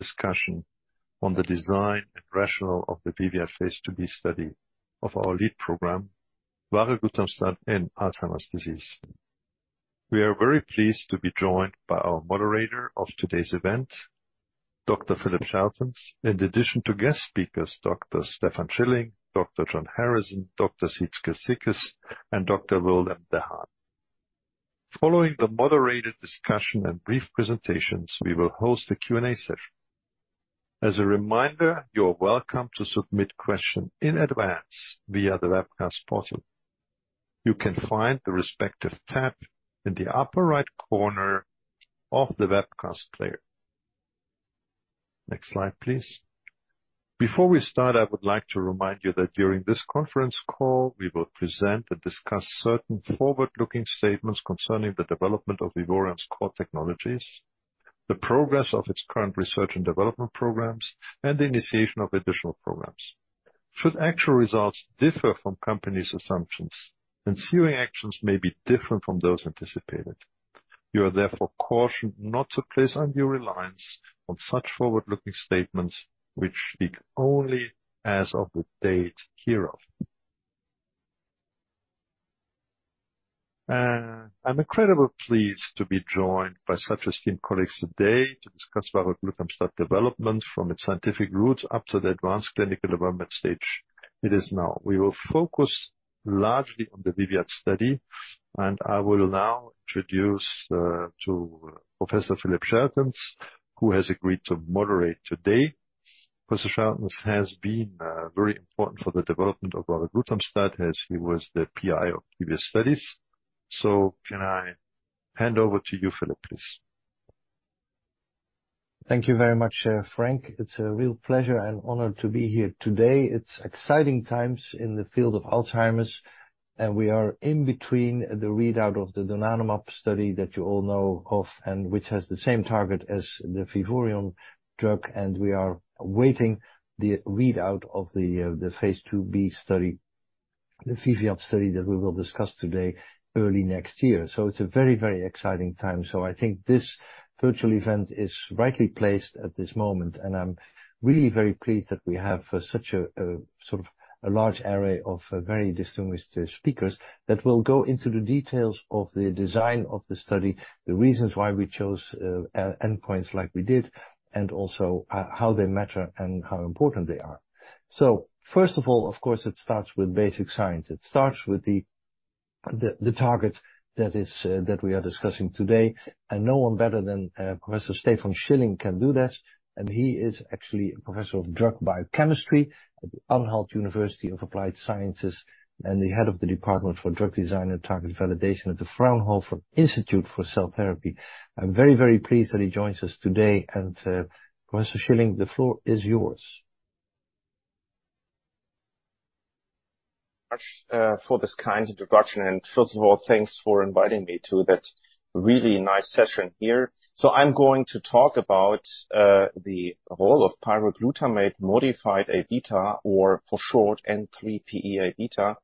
Discussion on the design and rationale of the VIVIAD phase II-B study of our lead program, varoglutamstat in Alzheimer's disease. We are very pleased to be joined by our moderator of today's event, Dr. Philip Scheltens, in addition to guest speakers, Dr. Stephan Schilling, Dr. John Harrison, Dr. Sietske Sikkes, and Dr. Willem de Haan. Following the moderated discussion and brief presentations, we will host a Q&A session. As a reminder, you are welcome to submit questions in advance via the webcast portal. You can find the respective tab in the upper right corner of the webcast player. Next slide, please. Before we start, I would like to remind you that during this conference call, we will present and discuss certain forward-looking statements concerning the development of Vivoryon's core technologies, the progress of its current research and development programs, and the initiation of additional programs. Should actual results differ from company's assumptions, ensuing actions may be different from those anticipated. You are therefore cautioned not to place undue reliance on such forward-looking statements, which speak only as of the date hereof. I'm incredibly pleased to be joined by such esteemed colleagues today to discuss varoglutamstat development from its scientific roots up to the advanced clinical development stage it is now. We will focus largely on the VIVIAD study, and I will now introduce to Professor Philip Scheltens, who has agreed to moderate today. Professor Scheltens has been very important for the development of varoglutamstat, as he was the PI of previous studies. So can I hand over to you, Philip, please? Thank you very much, Frank. It's a real pleasure and honor to be here today. It's exciting times in the field of Alzheimer's, and we are in between the readout of the donanemab study that you all know of, and which has the same target as the Vivoryon drug. We are awaiting the readout of the phase II-B study, the VIVIAD study, that we will discuss today, early next year. It's a very, very exciting time. I think this virtual event is rightly placed at this moment, and I'm really very pleased that we have such a sort of a large array of very distinguished speakers that will go into the details of the design of the study, the reasons why we chose endpoints like we did, and also how they matter and how important they are. So first of all, of course, it starts with basic science. It starts with the target that is that we are discussing today, and no one better than Professor Stephan Schilling can do this. And he is actually a professor of drug biochemistry at the Anhalt University of Applied Sciences, and the head of the Department for Drug Design and Target Validation at the Fraunhofer Institute for Cell Therapy. I'm very, very pleased that he joins us today, and Professor Schilling, the floor is yours. For this kind introduction, and first of all, thanks for inviting me to that really nice session here. So I'm going to talk about the role of pyroglutamate modified Aβ, or for short, N3pE-Aβ,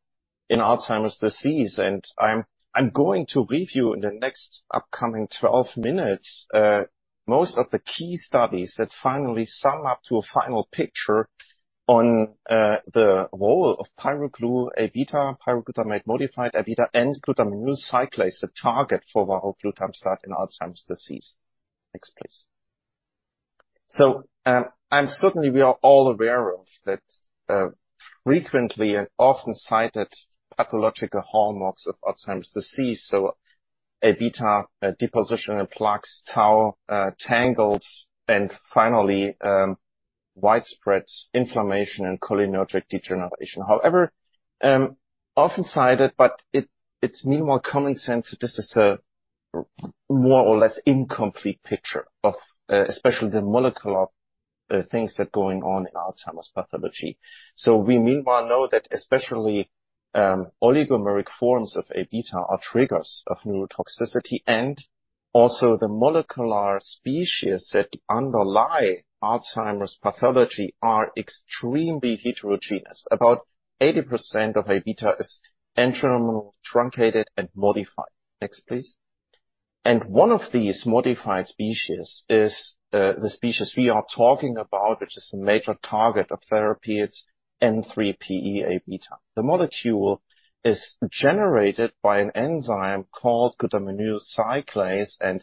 in Alzheimer's disease. And I'm going to review in the next upcoming 12 minutes most of the key studies that finally sum up to a final picture on the role of pGlu-Aβ, pyroglutamate modified Aβ, and glutaminyl cyclase, the target for varoglutamstat in Alzheimer's disease. Next, please. So certainly we are all aware of that frequently and often cited pathological hallmarks of Alzheimer's disease, so Aβ deposition and plaques, tau tangles, and finally, widespread inflammation and cholinergic degeneration. However, often cited, it's minimal common sense that this is a more or less incomplete picture of, especially the molecular, things that are going on in Alzheimer's pathology. So we meanwhile know that especially, oligomeric forms of Aβ are triggers of neurotoxicity, and also the molecular species that underlie Alzheimer's pathology are extremely heterogeneous. About 80% of Aβ is N-terminal, truncated, and modified. Next, please. One of these modified species is, the species we are talking about, which is a major target of therapy. It's N3pE-Aβ. The molecule is generated by an enzyme called glutaminyl cyclase, and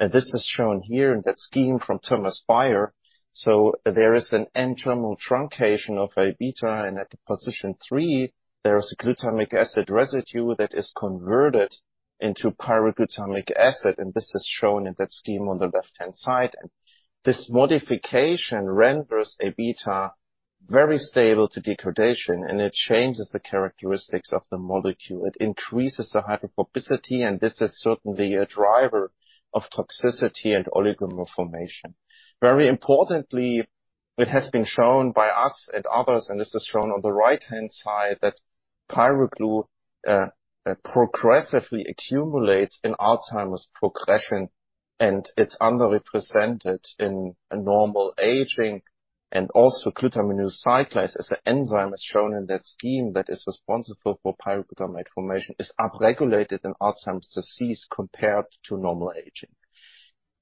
this is shown here in that scheme from Thomas Bayer. So there is an N-terminal truncation of Aβ, and at position three, there is a glutamic acid residue that is converted into pyroglutamic acid, and this is shown in that scheme on the left-hand side. This modification renders Aβ very stable to degradation, and it changes the characteristics of the molecule. It increases the hydrophobicity, and this is certainly a driver of toxicity and oligomer formation. Very importantly, it has been shown by us and others, and this is shown on the right-hand side, that pyroglutamate progressively accumulates in Alzheimer's progression, and it's underrepresented in normal aging, and also glutaminyl cyclase as the enzyme is shown in that scheme that is responsible for pyroglutamate formation, is upregulated in Alzheimer's disease compared to normal aging.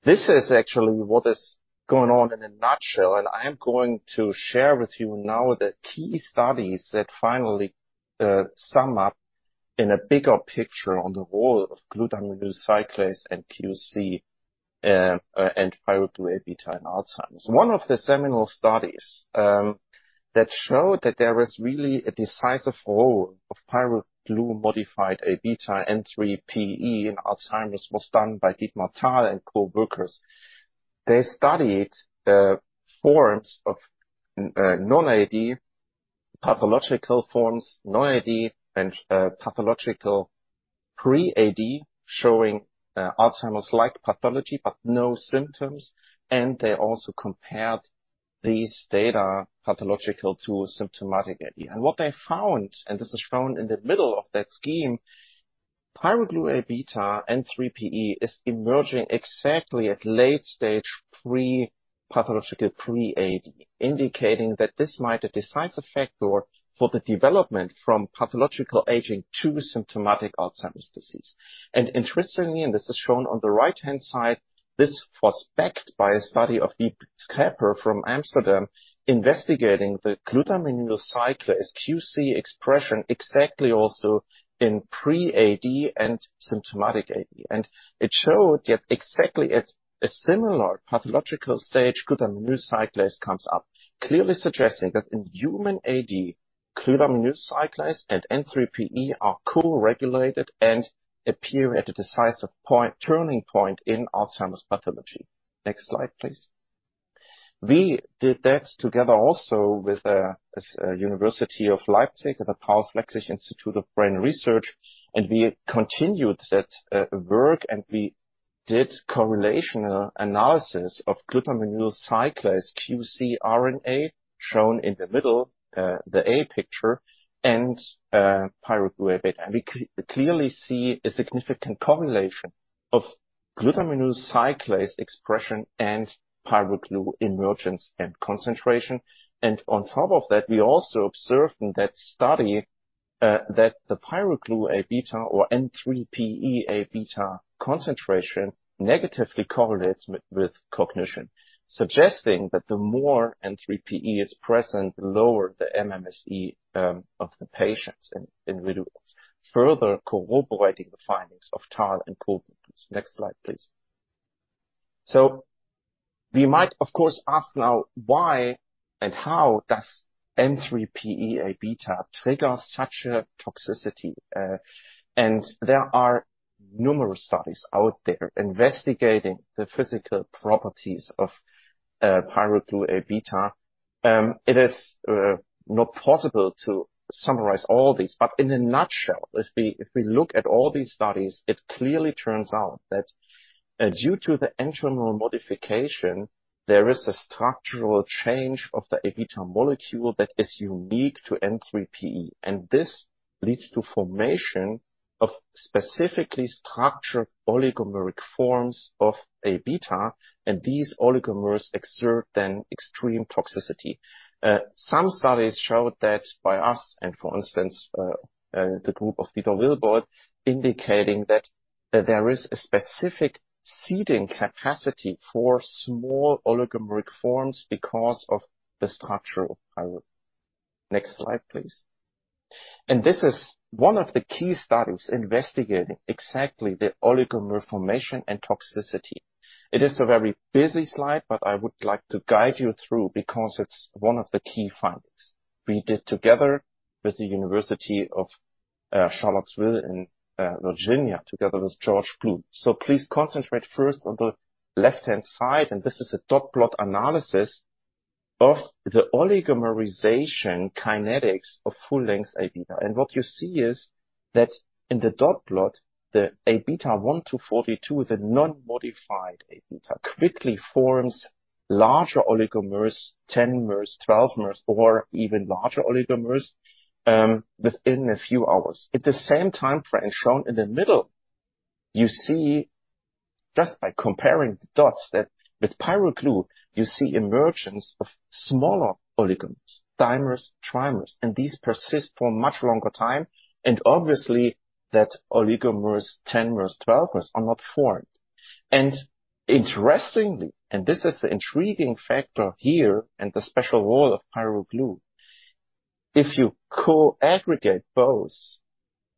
This is actually what is going on in a nutshell, and I am going to share with you now the key studies that finally sum up in a bigger picture on the role of glutamine cyclase and QC, and pGlu-Aβ in Alzheimer's. One of the seminal studies that showed that there was really a decisive role of pyroGlu modified Aβ N3pE in Alzheimer's, was done by Dietmar Thal and coworkers. They studied forms of non-AD pathological forms, non-AD and pathological pre-AD, showing Alzheimer's-like pathology but no symptoms, and they also compared these data pathological to symptomatic AD. What they found, and this is shown in the middle of that scheme, pGlu-Aβ N3pE is emerging exactly at late stage 3 pathological pre-AD, indicating that this might be a decisive factor for the development from pathological aging to symptomatic Alzheimer's disease. Interestingly, and this is shown on the right-hand side, this was backed by a study of Dietmar Thal from Amsterdam, investigating the glutaminyl cyclase QC expression exactly also in pre-AD and symptomatic AD. And it showed that exactly at a similar pathological stage, glutaminyl cyclase comes up, clearly suggesting that in human AD, glutaminyl cyclase and N3pE are co-regulated and appear at a decisive point, turning point in Alzheimer's pathology. Next slide, please. We did that together also with as University of Leipzig at the Paul Flechsig Institute of Brain Research, and we continued that work, and we did correlational analysis of glutaminyl cyclase QC RNA, shown in the middle, the A picture, and pGlu-Aβ. And we clearly see a significant correlation of glutaminyl cyclase expression and pGlu emergence and concentration. And on top of that, we also observed in that study that the pGlu-Aβ or N3pE-Aβ concentration negatively correlates with cognition, suggesting that the more N3pE is present, the lower the MMSE of the patients in reductions, further corroborating the findings of Thal and coworkers. Next slide, please. So we might, of course, ask now, why and how does N3pE-Aβ trigger such a toxicity? There are numerous studies out there investigating the physical properties of pGlu-Aβ. It is not possible to summarize all these, but in a nutshell, if we look at all these studies, it clearly turns out that due to the internal modification, there is a structural change of the Aβ molecule that is unique to N3pE, and this leads to formation of specifically structured oligomeric forms of Aβ, and these oligomers exert then extreme toxicity. Some studies showed that by us and for instance the group of Dieter Willbold, indicating that there is a specific seeding capacity for small oligomeric forms because of the structural pyro. Next slide, please. This is one of the key studies investigating exactly the oligomer formation and toxicity. It is a very busy slide, but I would like to guide you through because it's one of the key findings we did together with the University of Virginia, together with George Bloom. So please concentrate first on the left-hand side, and this is a dot plot analysis of the oligomerization kinetics of full-length Aβ. And what you see is, that in the dot plot, the Aβ 1-42, the non-modified Aβ, quickly forms larger oligomers, 10-mers, 12-mers, or even larger oligomers, within a few hours. At the same time frame shown in the middle, you see just by comparing the dots, that with pyroGlu, you see emergence of smaller oligomers, dimers, trimers, and these persist for a much longer time. And obviously, that oligomers 10-mers, 12-mers are not formed. And interestingly, and this is the intriguing factor here and the special role of pyroGlu, if you co-aggregate both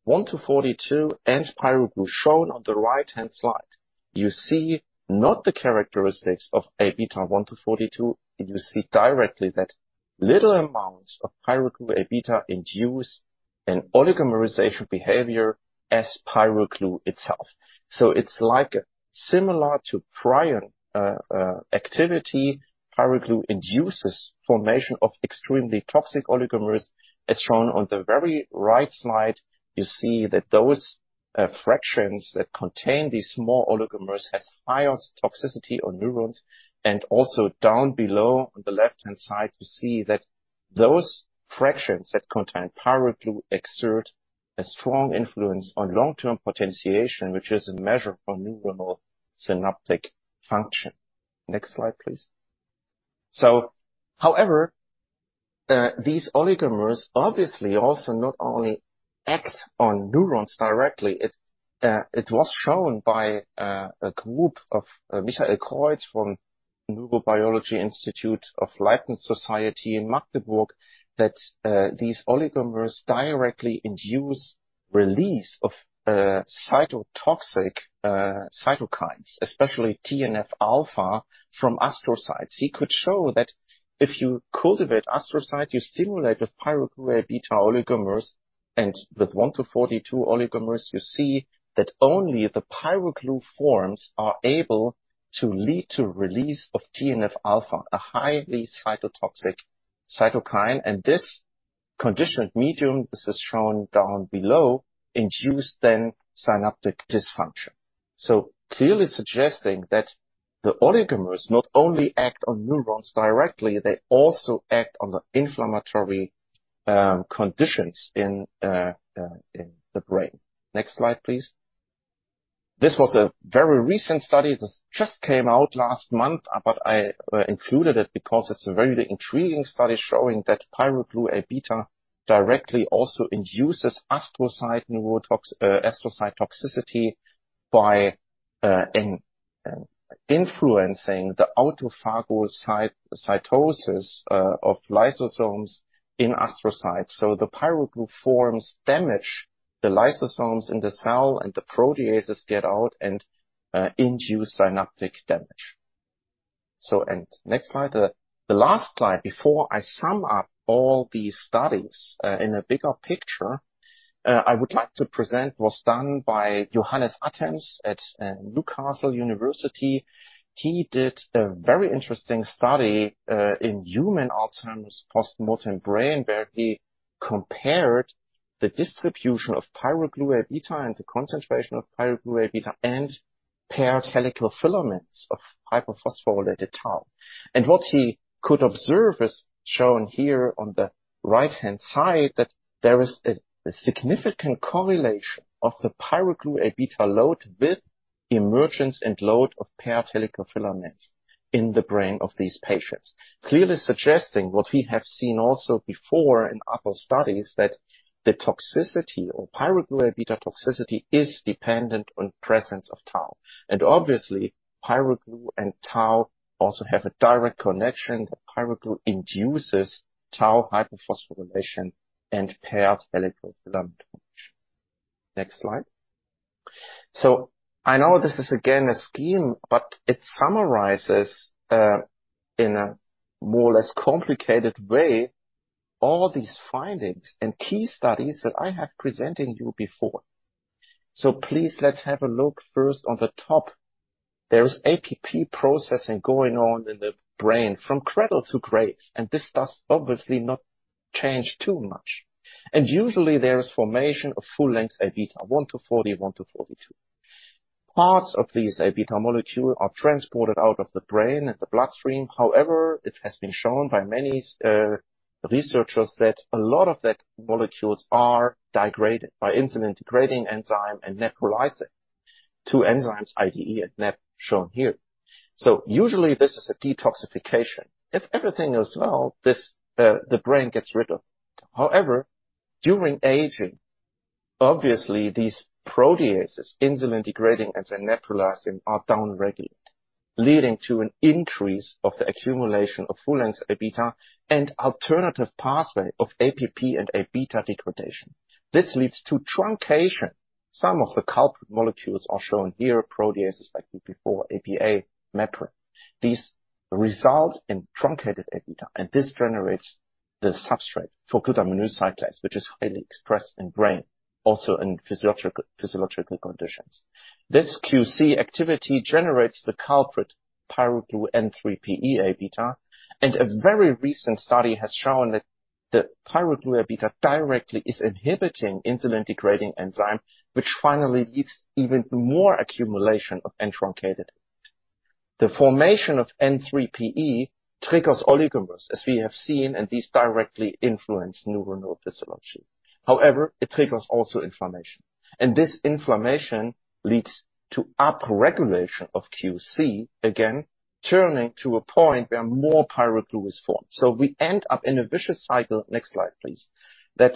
1-42 and pyroGlu shown on the right-hand side, you see not the characteristics of Aβ 1-42, and you see directly that little amounts of pGlu-Aβ induce an oligomerization behavior as pyroGlu itself. So it's like similar to prion activity, pyroGlu induces formation of extremely toxic oligomers. As shown on the very right slide, you see that those fractions that contain these small oligomers have higher toxicity on neurons, and also down below on the left-hand side, you see that those fractions that contain pyroGlu exert a strong influence on long-term potentiation, which is a measure for neuronal synaptic function. Next slide, please. So however, these oligomers obviously also not only act on neurons directly, it was shown by a group of Michael Kreutz from Leibniz Institute for Neurobiology in Magdeburg, that these oligomers directly induce release of cytotoxic cytokines, especially TNF-alpha from astrocytes. He could show that if you cultivate astrocytes, you stimulate with pGlu-Aβ oligomers, and with 1 to 42 oligomers, you see that only the pyroGlu forms are able to lead to release of TNF-alpha, a highly cytotoxic cytokine. And this conditioned medium, this is shown down below, induce then synaptic dysfunction. So clearly suggesting that the oligomers not only act on neurons directly, they also act on the inflammatory conditions in the brain. Next slide, please. This was a very recent study. This just came out last month, but I included it because it's a very intriguing study showing that pGlu-Aβ directly also induces astrocyte toxicity by influencing the autophagocytosis of lysosomes in astrocytes. So the pyroGlu forms damage the lysosomes in the cell, and the proteases get out and induce synaptic damage. So, and next slide. The last slide, before I sum up all these studies in a bigger picture, I would like to present, was done by Johannes Attems at Newcastle University. He did a very interesting study in human Alzheimer's post-mortem brain, where he compared the distribution of pGlu-Aβ and the concentration of pGlu-Aβ, and paired helical filaments of hyperphosphorylated tau. What he could observe is shown here on the right-hand side, that there is a significant correlation of the pGlu-Aβ load with emergence and load of paired helical filaments in the brain of these patients. Clearly suggesting what we have seen also before in other studies, that the toxicity or pGlu-Aβ toxicity is dependent on presence of tau. Obviously, pyroGlu and tau also have a direct connection, that pyroGlu induces tau hyperphosphorylation and paired helical filament formation. Next slide. I know this is again a scheme, but it summarizes in a more or less complicated way, all these findings and key studies that I have presented you before. Please, let's have a look first on the top. There is APP processing going on in the brain from cradle to grave, and this does obviously not change too much. Usually, there is formation of full-length Aβ 1 to 41 to 42. Parts of these Aβ molecules are transported out of the brain and the bloodstream. However, it has been shown by many researchers that a lot of those molecules are degraded by insulin-degrading enzyme and neprilysin. Two enzymes, IDE and NEP, shown here. So usually this is a detoxification. If everything goes well, this, the brain gets rid of. However, during aging, obviously these proteases, insulin-degrading and neprilysin, are downregulated, leading to an increase of the accumulation of full-length Aβ and alternative pathway of APP and Aβ degradation. This leads to truncation. Some of the culprit molecules are shown here, proteases like before, APA, Meprin. These result in truncated Aβ, and this generates the substrate for glutaminyl cyclase, which is highly expressed in brain, also in physiological conditions. This QC activity generates the culprit, pyroGlu N3pE Aβ, and a very recent study has shown that the pGlu-Aβ directly is inhibiting insulin-degrading enzyme, which finally leads even to more accumulation of N-truncated. The formation of N3pE triggers oligomers, as we have seen, and these directly influence neuronal physiology. However, it triggers also inflammation, and this inflammation leads to upregulation of QC, again, turning to a point where more pyroGlu is formed. So we end up in a vicious cycle. Next slide, please. That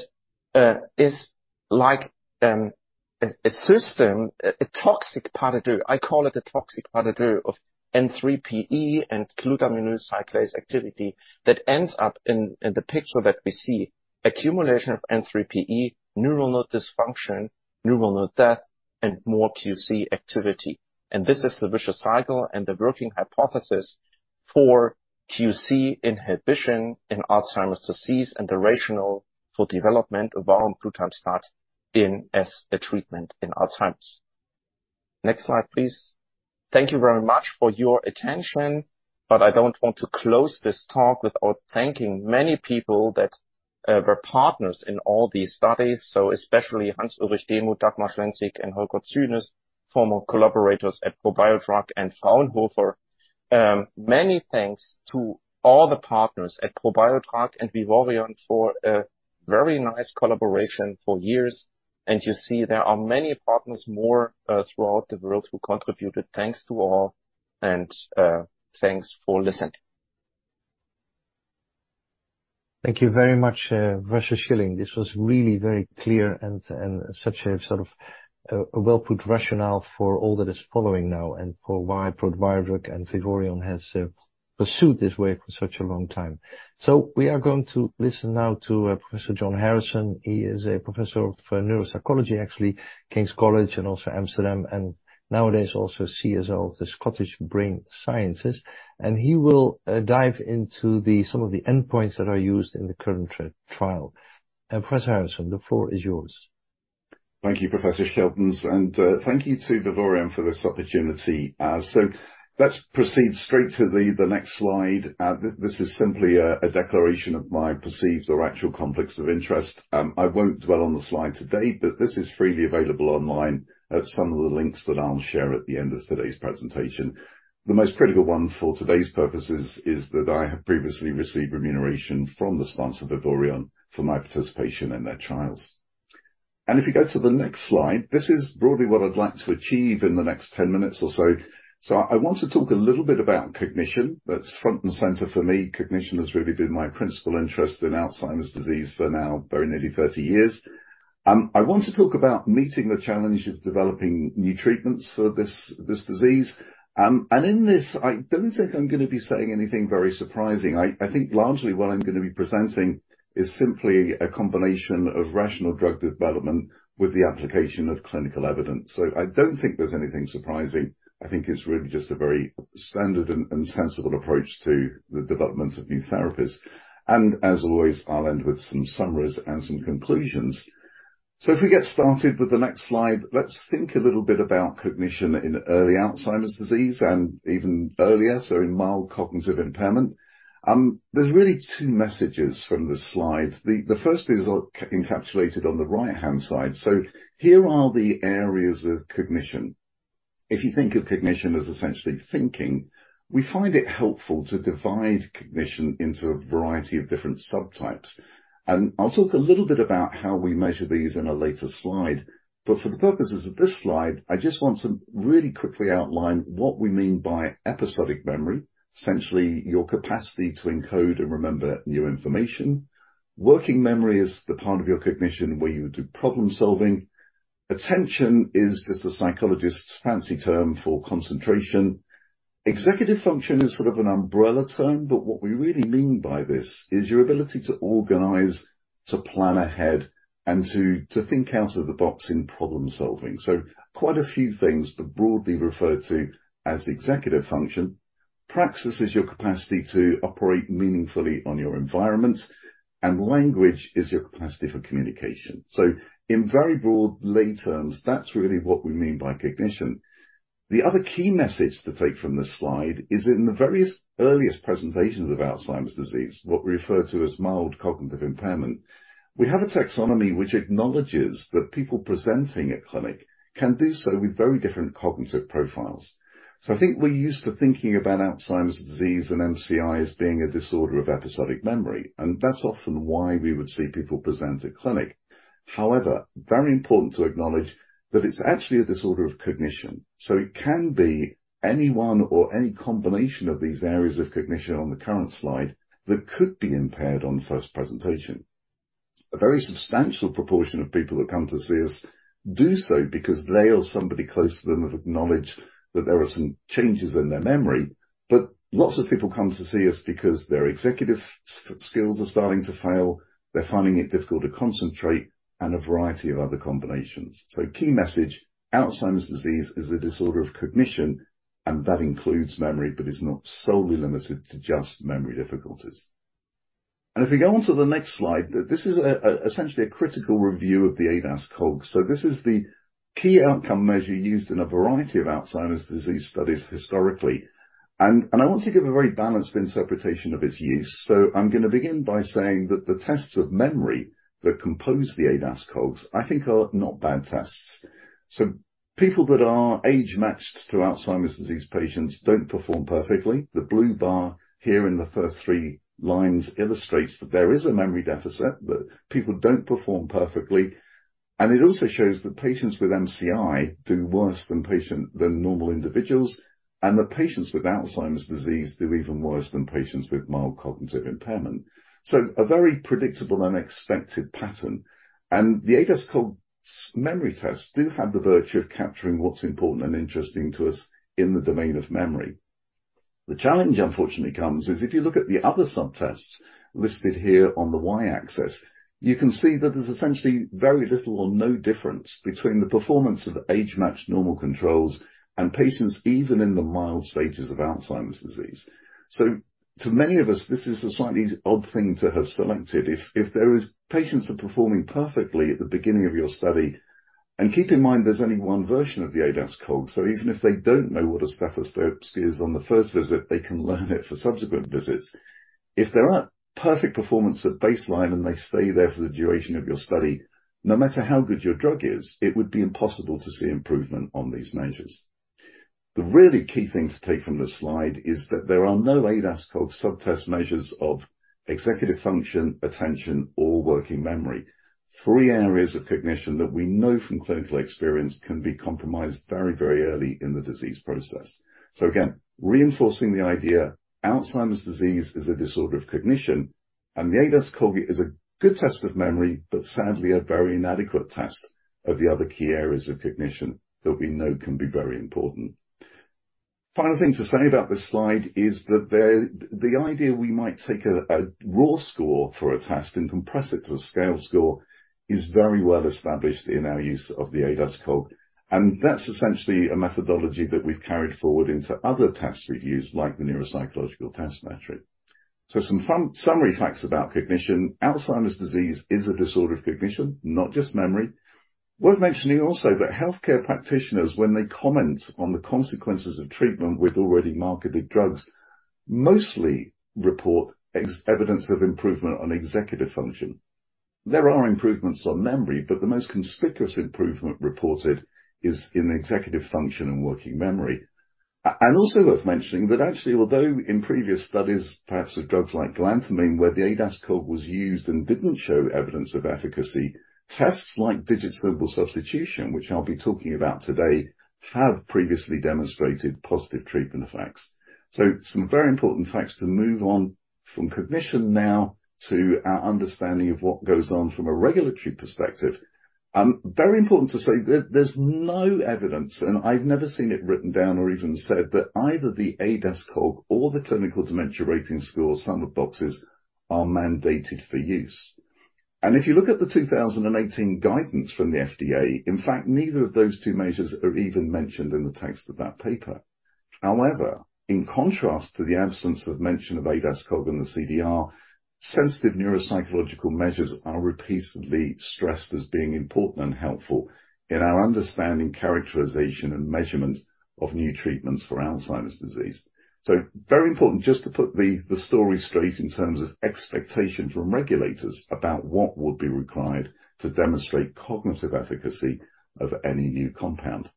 is like a system, a toxic parody. I call it a toxic parody of N3pE and glutaminyl cyclase activity that ends up in the picture that we see: accumulation of N3pE, neuronal dysfunction, neuronal death, and more QC activity. And this is the vicious cycle and the working hypothesis for QC inhibition in Alzheimer's disease, and the rationale for development of our glutaminyl cyclase inhibitor as a treatment in Alzheimer's. Next slide, please. Thank you very much for your attention, but I don't want to close this talk without thanking many people that were partners in all these studies, so especially Hans-Ulrich Demuth, Dagmar Schwenk, and Holger Cynis, former collaborators at Probiodrug and Fraunhofer. Many thanks to all the partners at Probiodrug and Vivoryon for a very nice collaboration for years. And you see, there are many partners more, throughout the world who contributed. Thanks to all, and, thanks for listening. Thank you very much, Professor Schilling. This was really very clear and such a sort of a well-put rationale for all that is following now, and for why Probiodrug and Vivoryon has pursued this way for such a long time. So we are going to listen now to Professor John Harrison. He is a professor for neuropsychology, actually, King's College and also Amsterdam, and nowadays also CSO of Scottish Brain Sciences, and he will dive into some of the endpoints that are used in the current trial. Professor Harrison, the floor is yours. Thank you, Professor Scheltens, and thank you to Vivoryon for this opportunity. So let's proceed straight to the next slide. This is simply a declaration of my perceived or actual conflicts of interest. I won't dwell on the slide today, but this is freely available online at some of the links that I'll share at the end of today's presentation. The most critical one for today's purposes is that I have previously received remuneration from the sponsor, Vivoryon, for my participation in their trials. And if you go to the next slide, this is broadly what I'd like to achieve in the next 10 minutes or so. So I want to talk a little bit about cognition. That's front and center for me. Cognition has really been my principal interest in Alzheimer's disease for now, very nearly 30 years. I want to talk about meeting the challenge of developing new treatments for this, this disease. And in this, I don't think I'm gonna be saying anything very surprising. I, I think largely what I'm gonna be presenting is simply a combination of rational drug development with the application of clinical evidence. So I don't think there's anything surprising. I think it's really just a very standard and sensible approach to the development of new therapies. And as always, I'll end with some summaries and some conclusions. So if we get started with the next slide, let's think a little bit about cognition in early Alzheimer's disease and even earlier, so in mild cognitive impairment. There's really two messages from this slide. The first is encapsulated on the right-hand side. So here are the areas of cognition. If you think of cognition as essentially thinking, we find it helpful to divide cognition into a variety of different subtypes. I'll talk a little bit about how we measure these in a later slide. For the purposes of this slide, I just want to really quickly outline what we mean by episodic memory, essentially your capacity to encode and remember new information. Working memory is the part of your cognition where you would do problem-solving. Attention is just a psychologist's fancy term for concentration. Executive function is sort of an umbrella term, but what we really mean by this is your ability to organize, to plan ahead, and to think out of the box in problem-solving. So quite a few things, but broadly referred to as executive function. Praxis is your capacity to operate meaningfully on your environment, and language is your capacity for communication. So in very broad lay terms, that's really what we mean by cognition. The other key message to take from this slide is in the various earliest presentations of Alzheimer's disease, what we refer to as mild cognitive impairment, we have a taxonomy which acknowledges that people presenting at clinic can do so with very different cognitive profiles. So I think we're used to thinking about Alzheimer's disease and MCI as being a disorder of episodic memory, and that's often why we would see people present at clinic. However, very important to acknowledge that it's actually a disorder of cognition, so it can be any one or any combination of these areas of cognition on the current slide that could be impaired on first presentation. A very substantial proportion of people that come to see us do so because they or somebody close to them have acknowledged that there are some changes in their memory, but lots of people come to see us because their executive skills are starting to fail, they're finding it difficult to concentrate, and a variety of other combinations. So key message, Alzheimer's disease is a disorder of cognition, and that includes memory, but is not solely limited to just memory difficulties. And if we go on to the next slide, this is, essentially a critical review of the ADAS-Cog. So this is the key outcome measure used in a variety of Alzheimer's disease studies historically, and I want to give a very balanced interpretation of its use. So I'm gonna begin by saying that the tests of memory that compose the ADAS-Cog, I think are not bad tests. So people that are age-matched to Alzheimer's disease patients don't perform perfectly. The blue bar here in the first three lines illustrates that there is a memory deficit, that people don't perform perfectly, and it also shows that patients with MCI do worse than normal individuals, and that patients with Alzheimer's disease do even worse than patients with mild cognitive impairment. So a very predictable and expected pattern. And the ADAS-Cog memory tests do have the virtue of capturing what's important and interesting to us in the domain of memory. The challenge, unfortunately, comes is if you look at the other subtests listed here on the Y-axis, you can see that there's essentially very little or no difference between the performance of age-matched normal controls and patients even in the mild stages of Alzheimer's disease. So to many of us, this is a slightly odd thing to have selected. If there are patients performing perfectly at the beginning of your study. And keep in mind, there's only one version of the ADAS-Cog, so even if they don't know what a stethoscope is on the first visit, they can learn it for subsequent visits. If they're at perfect performance at baseline, and they stay there for the duration of your study, no matter how good your drug is, it would be impossible to see improvement on these measures. The really key thing to take from this slide is that there are no ADAS-Cog subtest measures of executive function, attention, or working memory. Three areas of cognition that we know from clinical experience can be compromised very, very early in the disease process. So again, reinforcing the idea, Alzheimer's disease is a disorder of cognition, and the ADAS-Cog is a good test of memory, but sadly a very inadequate test of the other key areas of cognition that we know can be very important. Final thing to say about this slide is that the idea we might take a raw score for a test and compress it to a scale score is very well established in our use of the ADAS-Cog, and that's essentially a methodology that we've carried forward into other test reviews, like the Neuropsychological Test Battery. So some fun summary facts about cognition. Alzheimer's disease is a disorder of cognition, not just memory. Worth mentioning also that healthcare practitioners, when they comment on the consequences of treatment with already marketed drugs, mostly report evidence of improvement on executive function. There are improvements on memory, but the most conspicuous improvement reported is in executive function and working memory. And also worth mentioning that actually, although in previous studies, perhaps of drugs like galantamine, where the ADAS-Cog was used and didn't show evidence of efficacy, tests like Digit Symbol Substitution, which I'll be talking about today, have previously demonstrated positive treatment effects. So some very important facts to move on from cognition now to our understanding of what goes on from a regulatory perspective. Very important to say there, there's no evidence, and I've never seen it written down or even said, that either the ADAS-Cog or the Clinical Dementia Rating Scale Sum of Boxes are mandated for use. And if you look at the 2018 guidance from the FDA, in fact, neither of those two measures are even mentioned in the text of that paper. However, in contrast to the absence of mention of ADAS-Cog and the CDR, sensitive neuropsychological measures are repeatedly stressed as being important and helpful in our understanding, characterization, and measurement of new treatments for Alzheimer's disease. So very important, just to put the story straight in terms of expectation from regulators about what would be required to demonstrate cognitive efficacy of any new compound.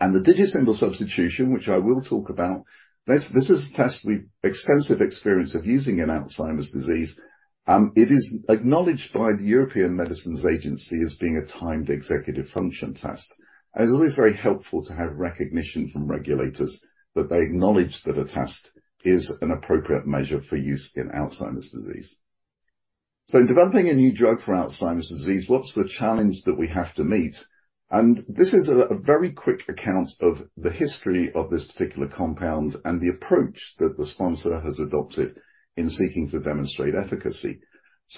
And the Digit Symbol Substitution, which I will talk about, this is a test with extensive experience of using in Alzheimer's disease. It is acknowledged by the European Medicines Agency as being a timed executive function test, and it's always very helpful to have recognition from regulators that they acknowledge that a test is an appropriate measure for use in Alzheimer's disease. So in developing a new drug for Alzheimer's disease, what's the challenge that we have to meet? This is a very quick account of the history of this particular compound and the approach that the sponsor has adopted in seeking to demonstrate efficacy.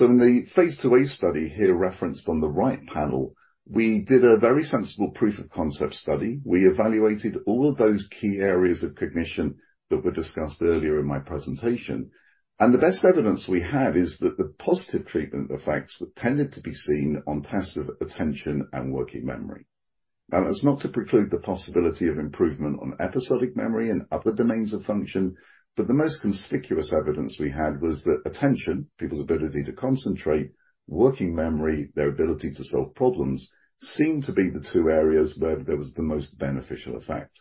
In the phase II-A study here referenced on the right panel, we did a very sensible proof of concept study. We evaluated all of those key areas of cognition that were discussed earlier in my presentation, and the best evidence we had is that the positive treatment effects tended to be seen on tests of attention and working memory. Now, that's not to preclude the possibility of improvement on episodic memory and other domains of function, but the most conspicuous evidence we had was that attention, people's ability to concentrate, working memory, their ability to solve problems, seemed to be the two areas where there was the most beneficial effect.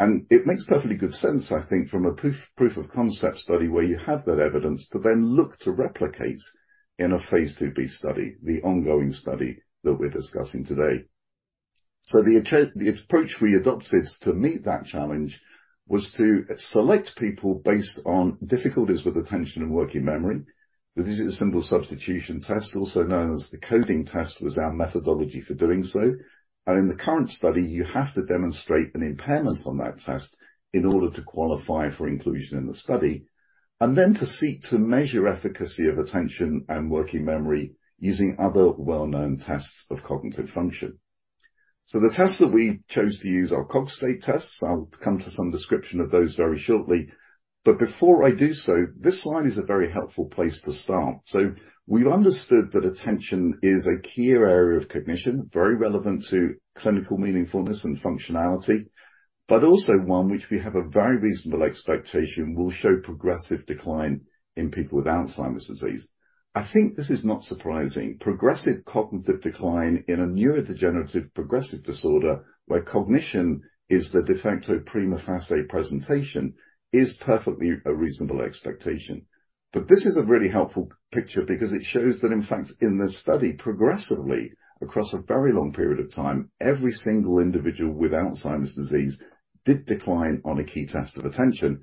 It makes perfectly good sense, I think, from a proof of concept study, where you have that evidence to then look to replicate in a phase II-B study, the ongoing study that we're discussing today. So the approach we adopted to meet that challenge was to select people based on difficulties with attention and working memory. The Digit Symbol Substitution Test, also known as the coding test, was our methodology for doing so. In the current study, you have to demonstrate an impairment on that test in order to qualify for inclusion in the study, and then to seek to measure efficacy of attention and working memory using other well-known tests of cognitive function. So the tests that we chose to use are Cogstate tests. I'll come to some description of those very shortly, but before I do so, this slide is a very helpful place to start. So we've understood that attention is a key area of cognition, very relevant to clinical meaningfulness and functionality, but also one which we have a very reasonable expectation will show progressive decline in people with Alzheimer's disease. I think this is not surprising. Progressive cognitive decline in a neurodegenerative progressive disorder, where cognition is the de facto prima facie presentation, is perfectly a reasonable expectation. But this is a really helpful picture because it shows that, in fact, in the study, progressively across a very long period of time, every single individual with Alzheimer's disease did decline on a key test of attention.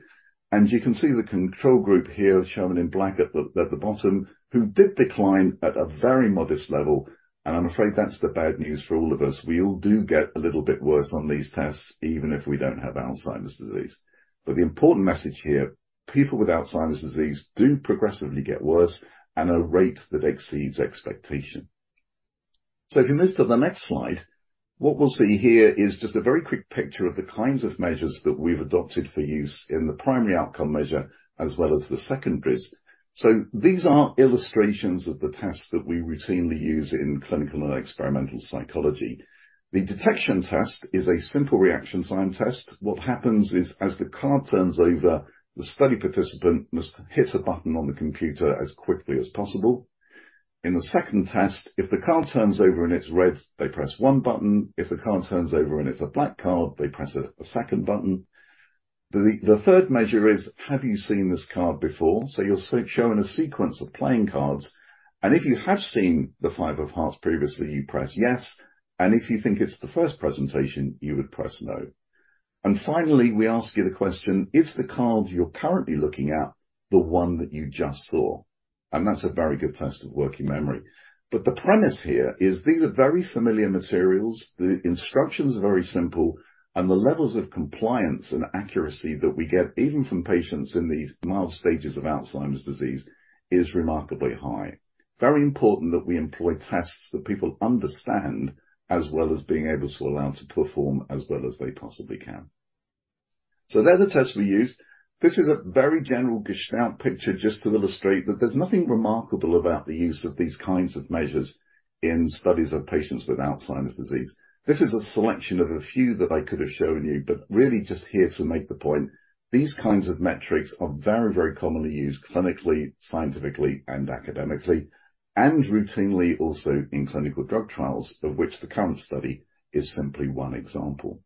And you can see the control group here, shown in black at the bottom, who did decline at a very modest level. I'm afraid that's the bad news for all of us. We all do get a little bit worse on these tests, even if we don't have Alzheimer's disease. The important message here: people with Alzheimer's disease do progressively get worse at a rate that exceeds expectation. If you move to the next slide… What we'll see here is just a very quick picture of the kinds of measures that we've adopted for use in the primary outcome measure, as well as the secondaries. These are illustrations of the tests that we routinely use in clinical and experimental psychology. The detection test is a simple reaction time test. What happens is, as the card turns over, the study participant must hit a button on the computer as quickly as possible. In the second test, if the card turns over and it's red, they press one button. If the card turns over and it's a black card, they press a second button. The third measure is, have you seen this card before? So you're shown a sequence of playing cards, and if you have seen the five of hearts previously, you press yes, and if you think it's the first presentation, you would press no. And finally, we ask you the question: Is the card you're currently looking at, the one that you just saw? And that's a very good test of working memory. But the premise here is these are very familiar materials, the instructions are very simple, and the levels of compliance and accuracy that we get, even from patients in these mild stages of Alzheimer's disease, is remarkably high. Very important that we employ tests that people understand, as well as being able to allow to perform as well as they possibly can. So they're the tests we used. This is a very general gestalt picture, just to illustrate that there's nothing remarkable about the use of these kinds of measures in studies of patients with Alzheimer's disease. This is a selection of a few that I could have shown you, but really just here to make the point. These kinds of metrics are very, very commonly used clinically, scientifically, and academically, and routinely also in clinical drug trials, of which the current study is simply one example.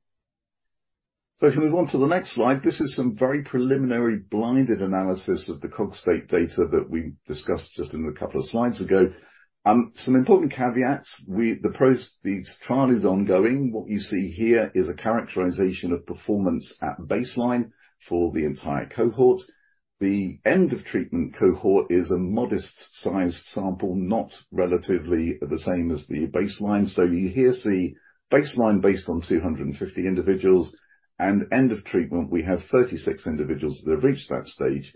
So if you move on to the next slide, this is some very preliminary blinded analysis of the Cogstate data that we discussed just in a couple of slides ago. Some important caveats. The trial is ongoing. What you see here is a characterization of performance at baseline for the entire cohort. The end of treatment cohort is a modest-sized sample, not relatively the same as the baseline. So you here see baseline based on 250 individuals, and end of treatment, we have 36 individuals that have reached that stage.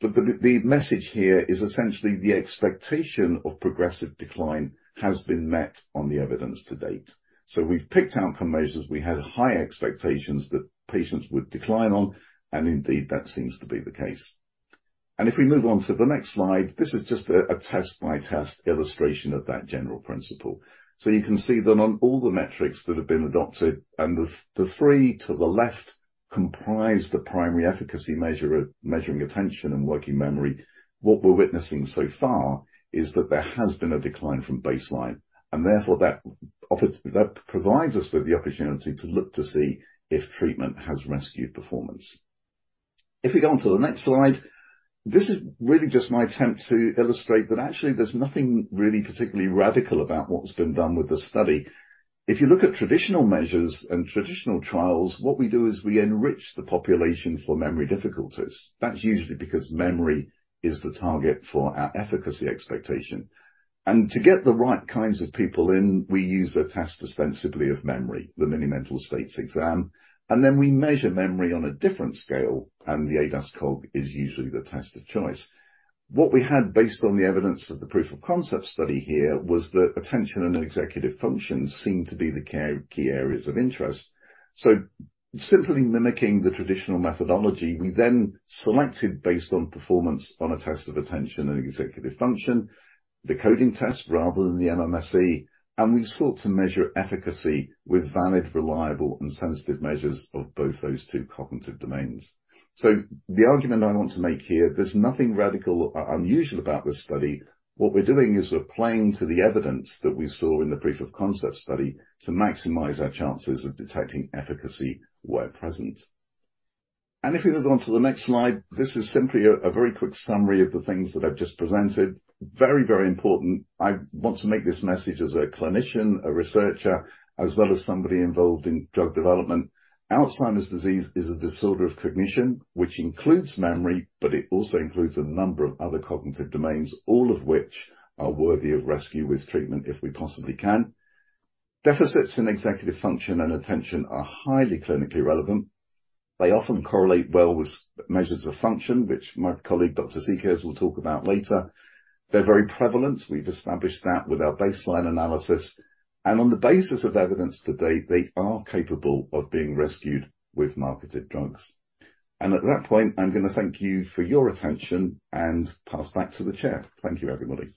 But the message here is essentially the expectation of progressive decline has been met on the evidence to date. So we've picked out some measures, we had high expectations that patients would decline on, and indeed, that seems to be the case. And if we move on to the next slide, this is just a test-by-test illustration of that general principle. So you can see that on all the metrics that have been adopted, and the three to the left comprise the primary efficacy measure of measuring attention and working memory. What we're witnessing so far is that there has been a decline from baseline, and therefore, that provides us with the opportunity to look to see if treatment has rescued performance. If we go on to the next slide, this is really just my attempt to illustrate that actually, there's nothing really particularly radical about what's been done with this study. If you look at traditional measures and traditional trials, what we do is we enrich the population for memory difficulties. That's usually because memory is the target for our efficacy expectation. To get the right kinds of people in, we use a test ostensibly of memory, the Mini-Mental State Examination, and then we measure memory on a different scale, and the ADAS-Cog is usually the test of choice. What we had, based on the evidence of the proof of concept study here, was that attention and executive function seemed to be the core, key areas of interest. Simply mimicking the traditional methodology, we then selected based on performance on a test of attention and executive function, the coding test rather than the MMSE, and we sought to measure efficacy with valid, reliable, and sensitive measures of both those two cognitive domains. The argument I want to make here. There's nothing radical or unusual about this study. What we're doing is we're playing to the evidence that we saw in the proof-of-concept study to maximize our chances of detecting efficacy where present. And if we move on to the next slide, this is simply a, a very quick summary of the things that I've just presented. Very, very important. I want to make this message as a clinician, a researcher, as well as somebody involved in drug development. Alzheimer's disease is a disorder of cognition, which includes memory, but it also includes a number of other cognitive domains, all of which are worthy of rescue with treatment, if we possibly can. Deficits in executive function and attention are highly clinically relevant. They often correlate well with measures of function, which my colleague, Dr. Sikkes, will talk about later. They're very prevalent. We've established that with our baseline analysis. On the basis of evidence to date, they are capable of being rescued with marketed drugs. At that point, I'm going to thank you for your attention and pass back to the chair. Thank you, everybody.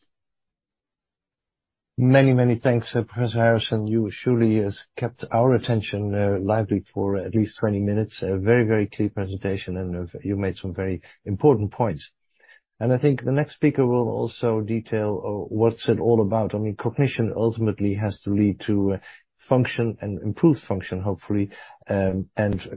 Many, many thanks, Professor Harrison. You surely has kept our attention lively for at least 20 minutes. A very, very clear presentation, and you've made some very important points. And I think the next speaker will also detail what's it all about. I mean, cognition ultimately has to lead to function and improved function, hopefully. And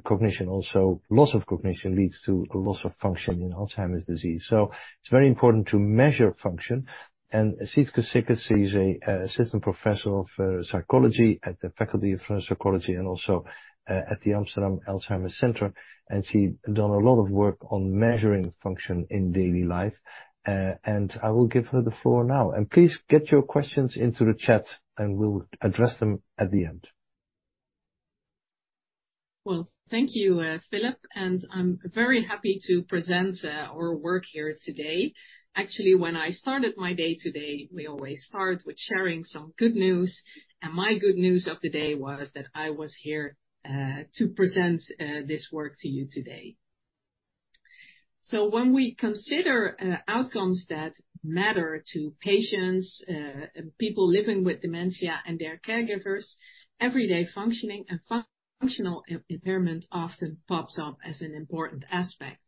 cognition also. Loss of cognition leads to a loss of function in Alzheimer's disease. So it's very important to measure function. And Sietske Sikkes is a assistant professor of psychology at the Faculty of Psychology and also at the Alzheimer Center Amsterdam, and she's done a lot of work on measuring function in daily life. And I will give her the floor now. And please get your questions into the chat, and we'll address them at the end. Well, thank you, Philip, and I'm very happy to present our work here today. Actually, when I started my day today, we always start with sharing some good news, and my good news of the day was that I was here to present this work to you today. So when we consider outcomes that matter to patients, people living with dementia and their caregivers, everyday functioning and functional impairment often pops up as an important aspect.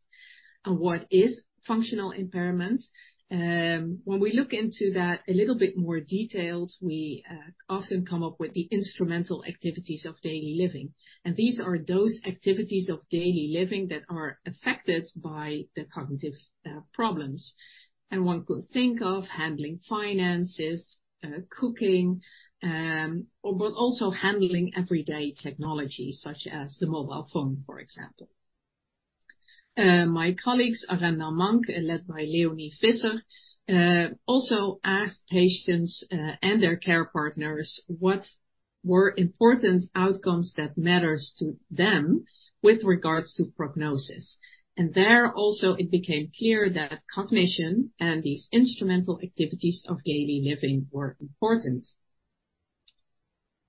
And what is functional impairment? When we look into that a little bit more details, we often come up with the instrumental activities of daily living, and these are those activities of daily living that are affected by the cognitive problems. And one could think of handling finances, cooking, but also handling everyday technology, such as the mobile phone, for example. My colleagues, now led by Leonie Visser, also asked patients and their care partners what were important outcomes that matters to them with regards to prognosis? And there also, it became clear that cognition and these instrumental activities of daily living were important.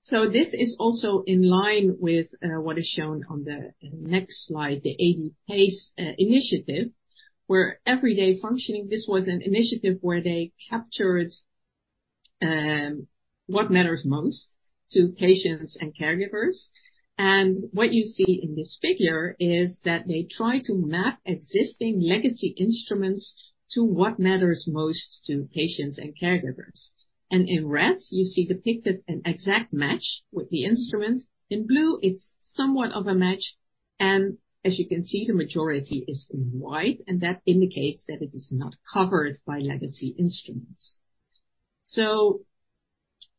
So this is also in line with what is shown on the next slide, the AD-PACE Initiative, where everyday functioning. This was an initiative where they captured what matters most to patients and caregivers. And what you see in this figure is that they try to map existing legacy instruments to what matters most to patients and caregivers. And in red, you see depicted an exact match with the instrument. In blue, it's somewhat of a match, and as you can see, the majority is in white, and that indicates that it is not covered by legacy instruments. So,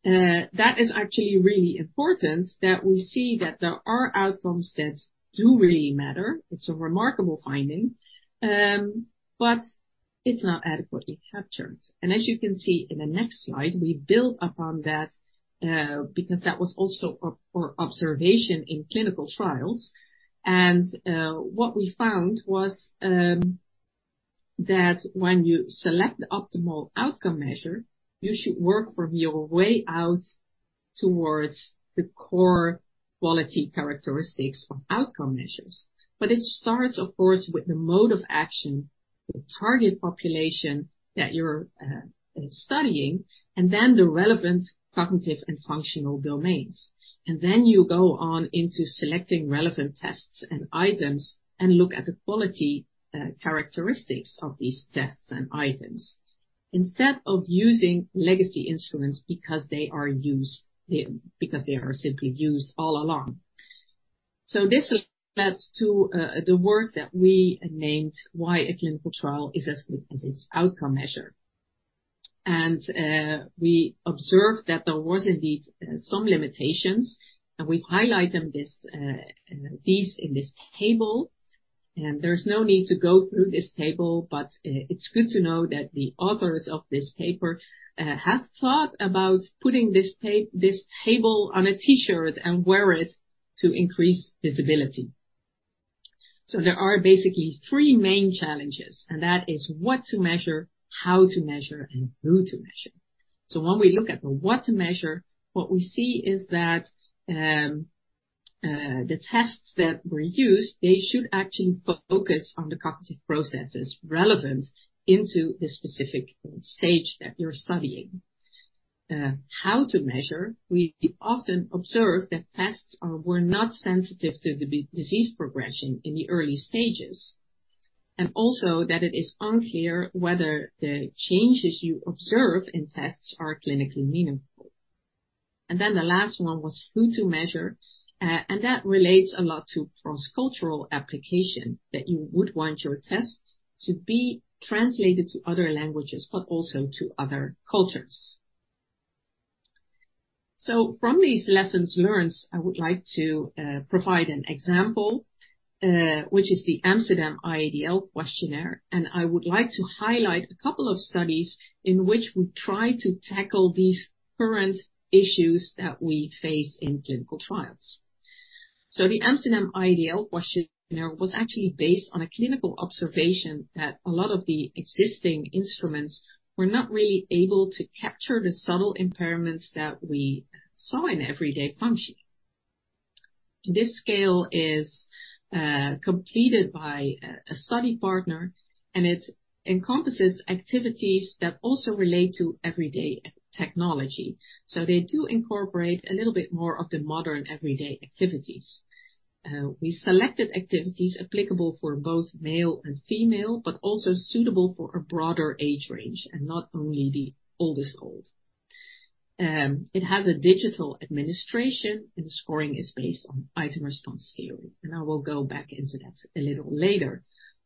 that is actually really important that we see that there are outcomes that do really matter. It's a remarkable finding, but it's not adequately captured. And as you can see in the next slide, we build upon that, because that was also our, our observation in clinical trials. And, what we found was, that when you select the optimal outcome measure, you should work from your way out towards the core quality characteristics of outcome measures. But it starts, of course, with the mode of action, the target population that you're studying, and then the relevant cognitive and functional domains. Then you go on into selecting relevant tests and items and look at the quality, characteristics of these tests and items. Instead of using legacy instruments because they are used, because they are simply used all along. This leads to the work that we named, Why a clinical trial is as good as its outcome measure. We observed that there was indeed some limitations, and we highlight them, these in this table, and there's no need to go through this table, but it's good to know that the authors of this paper have thought about putting this table on a T-shirt and wear it to increase visibility. There are basically three main challenges, and that is what to measure, how to measure, and who to measure. So when we look at what to measure, what we see is that the tests that were used should actually focus on the cognitive processes relevant to the specific stage that you're studying. How to measure, we often observe that tests were not sensitive to the disease progression in the early stages, and also that it is unclear whether the changes you observe in tests are clinically meaningful. Then the last one was who to measure, and that relates a lot to cross-cultural application, that you would want your test to be translated to other languages, but also to other cultures. From these lessons learned, I would like to provide an example, which is the Amsterdam IADL Questionnaire, and I would like to highlight a couple of studies in which we try to tackle these current issues that we face in clinical trials. The Amsterdam IADL Questionnaire was actually based on a clinical observation that a lot of the existing instruments were not really able to capture the subtle impairments that we saw in everyday functioning. This scale is completed by a study partner, and it encompasses activities that also relate to everyday technology. They do incorporate a little bit more of the modern everyday activities. We selected activities applicable for both male and female, but also suitable for a broader age range and not only the oldest old. It has a digital administration, and the scoring is based on item response theory, and I will go back into that a little later.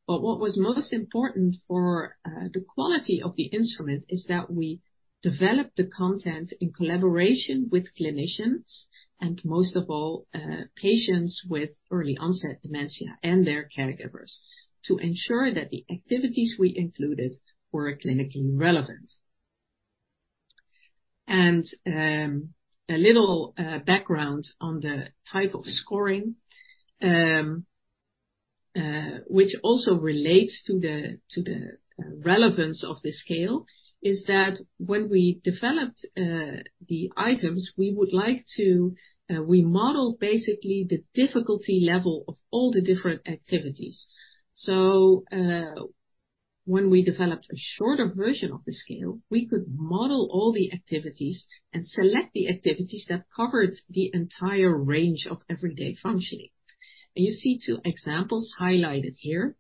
But what was most important for the quality of the instrument is that we developed the content in collaboration with clinicians and, most of all, patients with early-onset dementia and their caregivers, to ensure that the activities we included were clinically relevant. A little background on the type of scoring, which also relates to the relevance of the scale, is that when we developed the items, we model basically the difficulty level of all the different activities. So, when we developed a shorter version of the scale, we could model all the activities and select the activities that covered the entire range of everyday functioning. You see two examples highlighted here.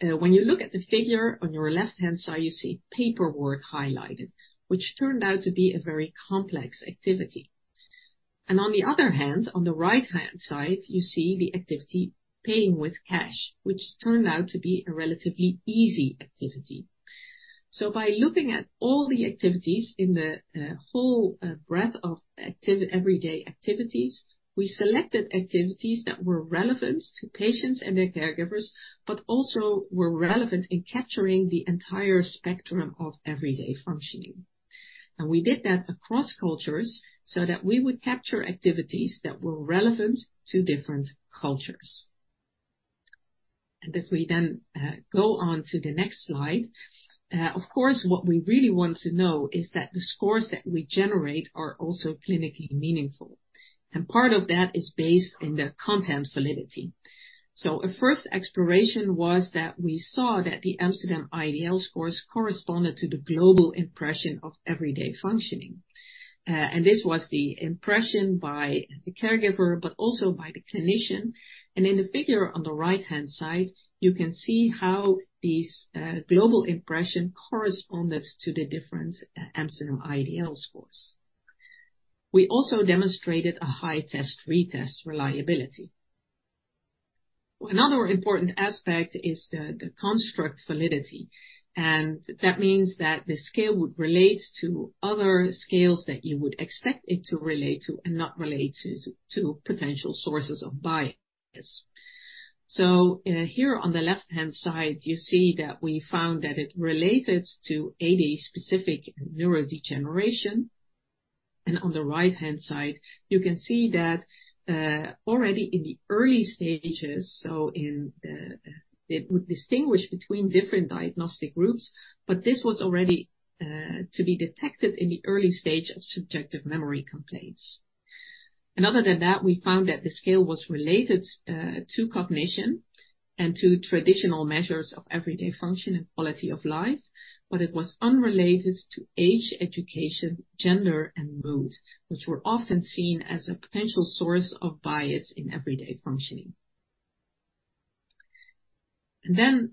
When you look at the figure on your left-hand side, you see paperwork highlighted, which turned out to be a very complex activity. On the other hand, on the right-hand side, you see the activity paying with cash, which turned out to be a relatively easy activity. By looking at all the activities in the whole breadth of everyday activities, we selected activities that were relevant to patients and their caregivers, but also were relevant in capturing the entire spectrum of everyday functioning. We did that across cultures so that we would capture activities that were relevant to different cultures. If we then go on to the next slide. Of course, what we really want to know is that the scores that we generate are also clinically meaningful, and part of that is based on the content validity. So a first exploration was that we saw that the Amsterdam IADL scores corresponded to the global impression of everyday functioning. And this was the impression by the caregiver, but also by the clinician. And in the figure on the right-hand side, you can see how these global impression corresponded to the different Amsterdam IADL scores. We also demonstrated a high test-retest reliability. Another important aspect is the construct validity, and that means that the scale would relate to other scales that you would expect it to relate to and not relate to potential sources of bias. So here on the left-hand side, you see that we found that it related to AD specific neurodegeneration. On the right-hand side, you can see that already in the early stages, so in... It would distinguish between different diagnostic groups, but this was already to be detected in the early stage of subjective memory complaints. And other than that, we found that the scale was related to cognition and to traditional measures of everyday function and quality of life, but it was unrelated to age, education, gender, and mood, which were often seen as a potential source of bias in everyday functioning. And then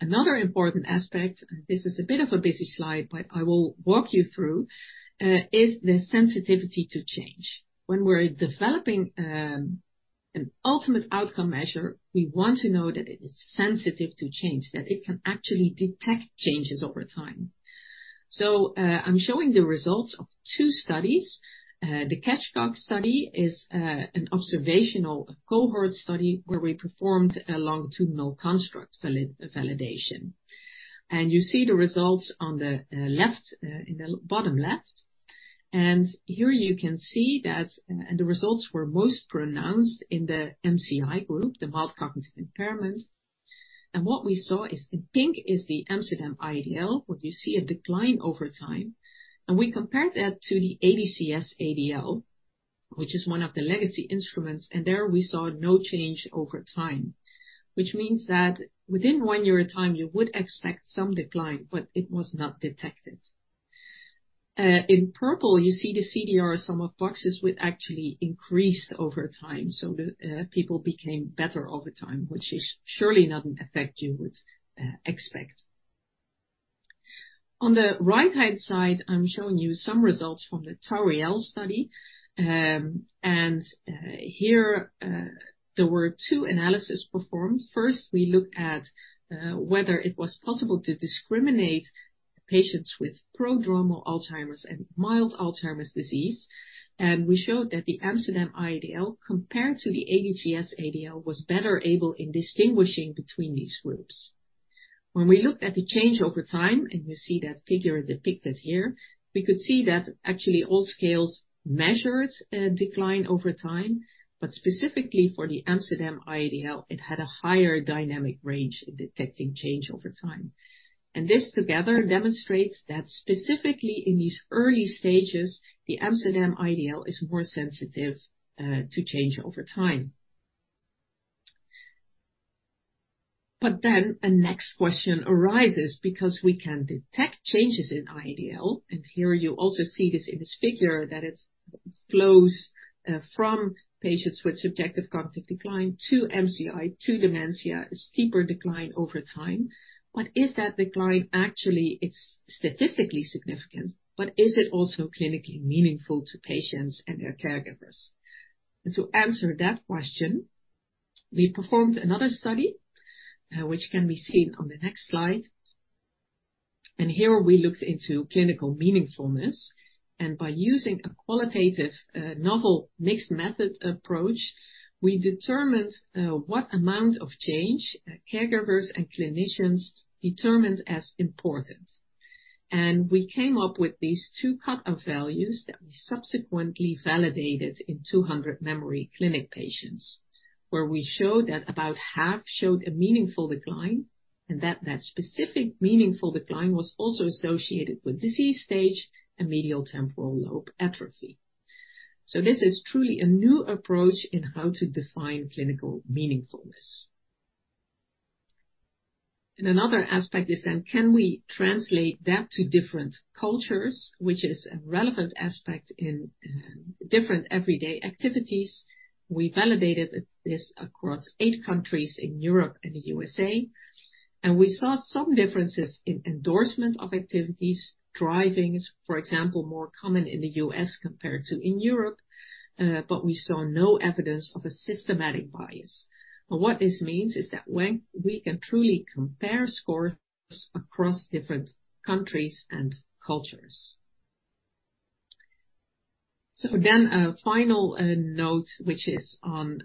another important aspect, and this is a bit of a busy slide, but I will walk you through is the sensitivity to change. When we're developing an ultimate outcome measure, we want to know that it is sensitive to change, that it can actually detect changes over time. I'm showing the results of two studies. The CatchCog study is an observational cohort study where we performed a longitudinal construct validation, and you see the results on the left, in the bottom left. Here you can see that the results were most pronounced in the MCI group, the mild cognitive impairment. What we saw is in pink is the Amsterdam IADL, where you see a decline over time, and we compared that to the ADCS-ADL, which is one of the legacy instruments, and there we saw no change over time. Which means that within one year of time, you would expect some decline, but it was not detected. In purple, you see the CDR sum of boxes, which actually increased over time, so the people became better over time, which is surely not an effect you would expect. On the right-hand side, I'm showing you some results from the TARIELL study. Here, there were two analyses performed. First, we looked at whether it was possible to discriminate patients with prodromal Alzheimer's and mild Alzheimer's disease. We showed that the Amsterdam IADL, compared to the ADCS-ADL, was better able in distinguishing between these groups. When we looked at the change over time, and you see that figure depicted here, we could see that actually all scales measured a decline over time, but specifically for the Amsterdam IADL, it had a higher dynamic range in detecting change over time. This together demonstrates that specifically in these early stages, the Amsterdam IADL is more sensitive to change over time. But then a next question arises, because we can detect changes in IADL, and here you also see this in this figure, that it flows from patients with subjective cognitive decline to MCI, to dementia, a steeper decline over time. But is that decline actually it's statistically significant, but is it also clinically meaningful to patients and their caregivers? To answer that question, we performed another study, which can be seen on the next slide. Here we looked into clinical meaningfulness, and by using a qualitative novel mixed method approach, we determined what amount of change caregivers and clinicians determined as important.... We came up with these two cutoff values that we subsequently validated in 200 memory clinic patients, where we showed that about half showed a meaningful decline, and that that specific meaningful decline was also associated with disease stage and medial temporal lobe atrophy. This is truly a new approach in how to define clinical meaningfulness. Another aspect is then, can we translate that to different cultures, which is a relevant aspect in different everyday activities. We validated this across 8 countries in Europe and the USA, and we saw some differences in endorsement of activities. Driving is, for example, more common in the US compared to in Europe, but we saw no evidence of a systematic bias. What this means is that when we can truly compare scores across different countries and cultures. So again, a final note, which is on,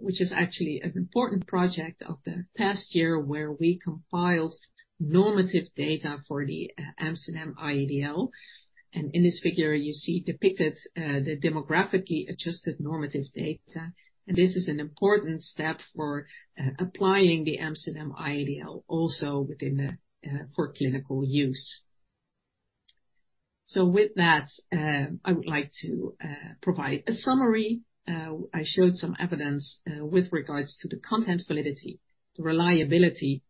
which is actually an important project of the past year, where we compiled normative data for the Amsterdam IADL. And in this figure, you see depicted the demographically adjusted normative data, and this is an important step for applying the Amsterdam IADL also within the for clinical use. So with that, I would like to provide a summary. I showed some evidence with regards to the content validity, the reliability,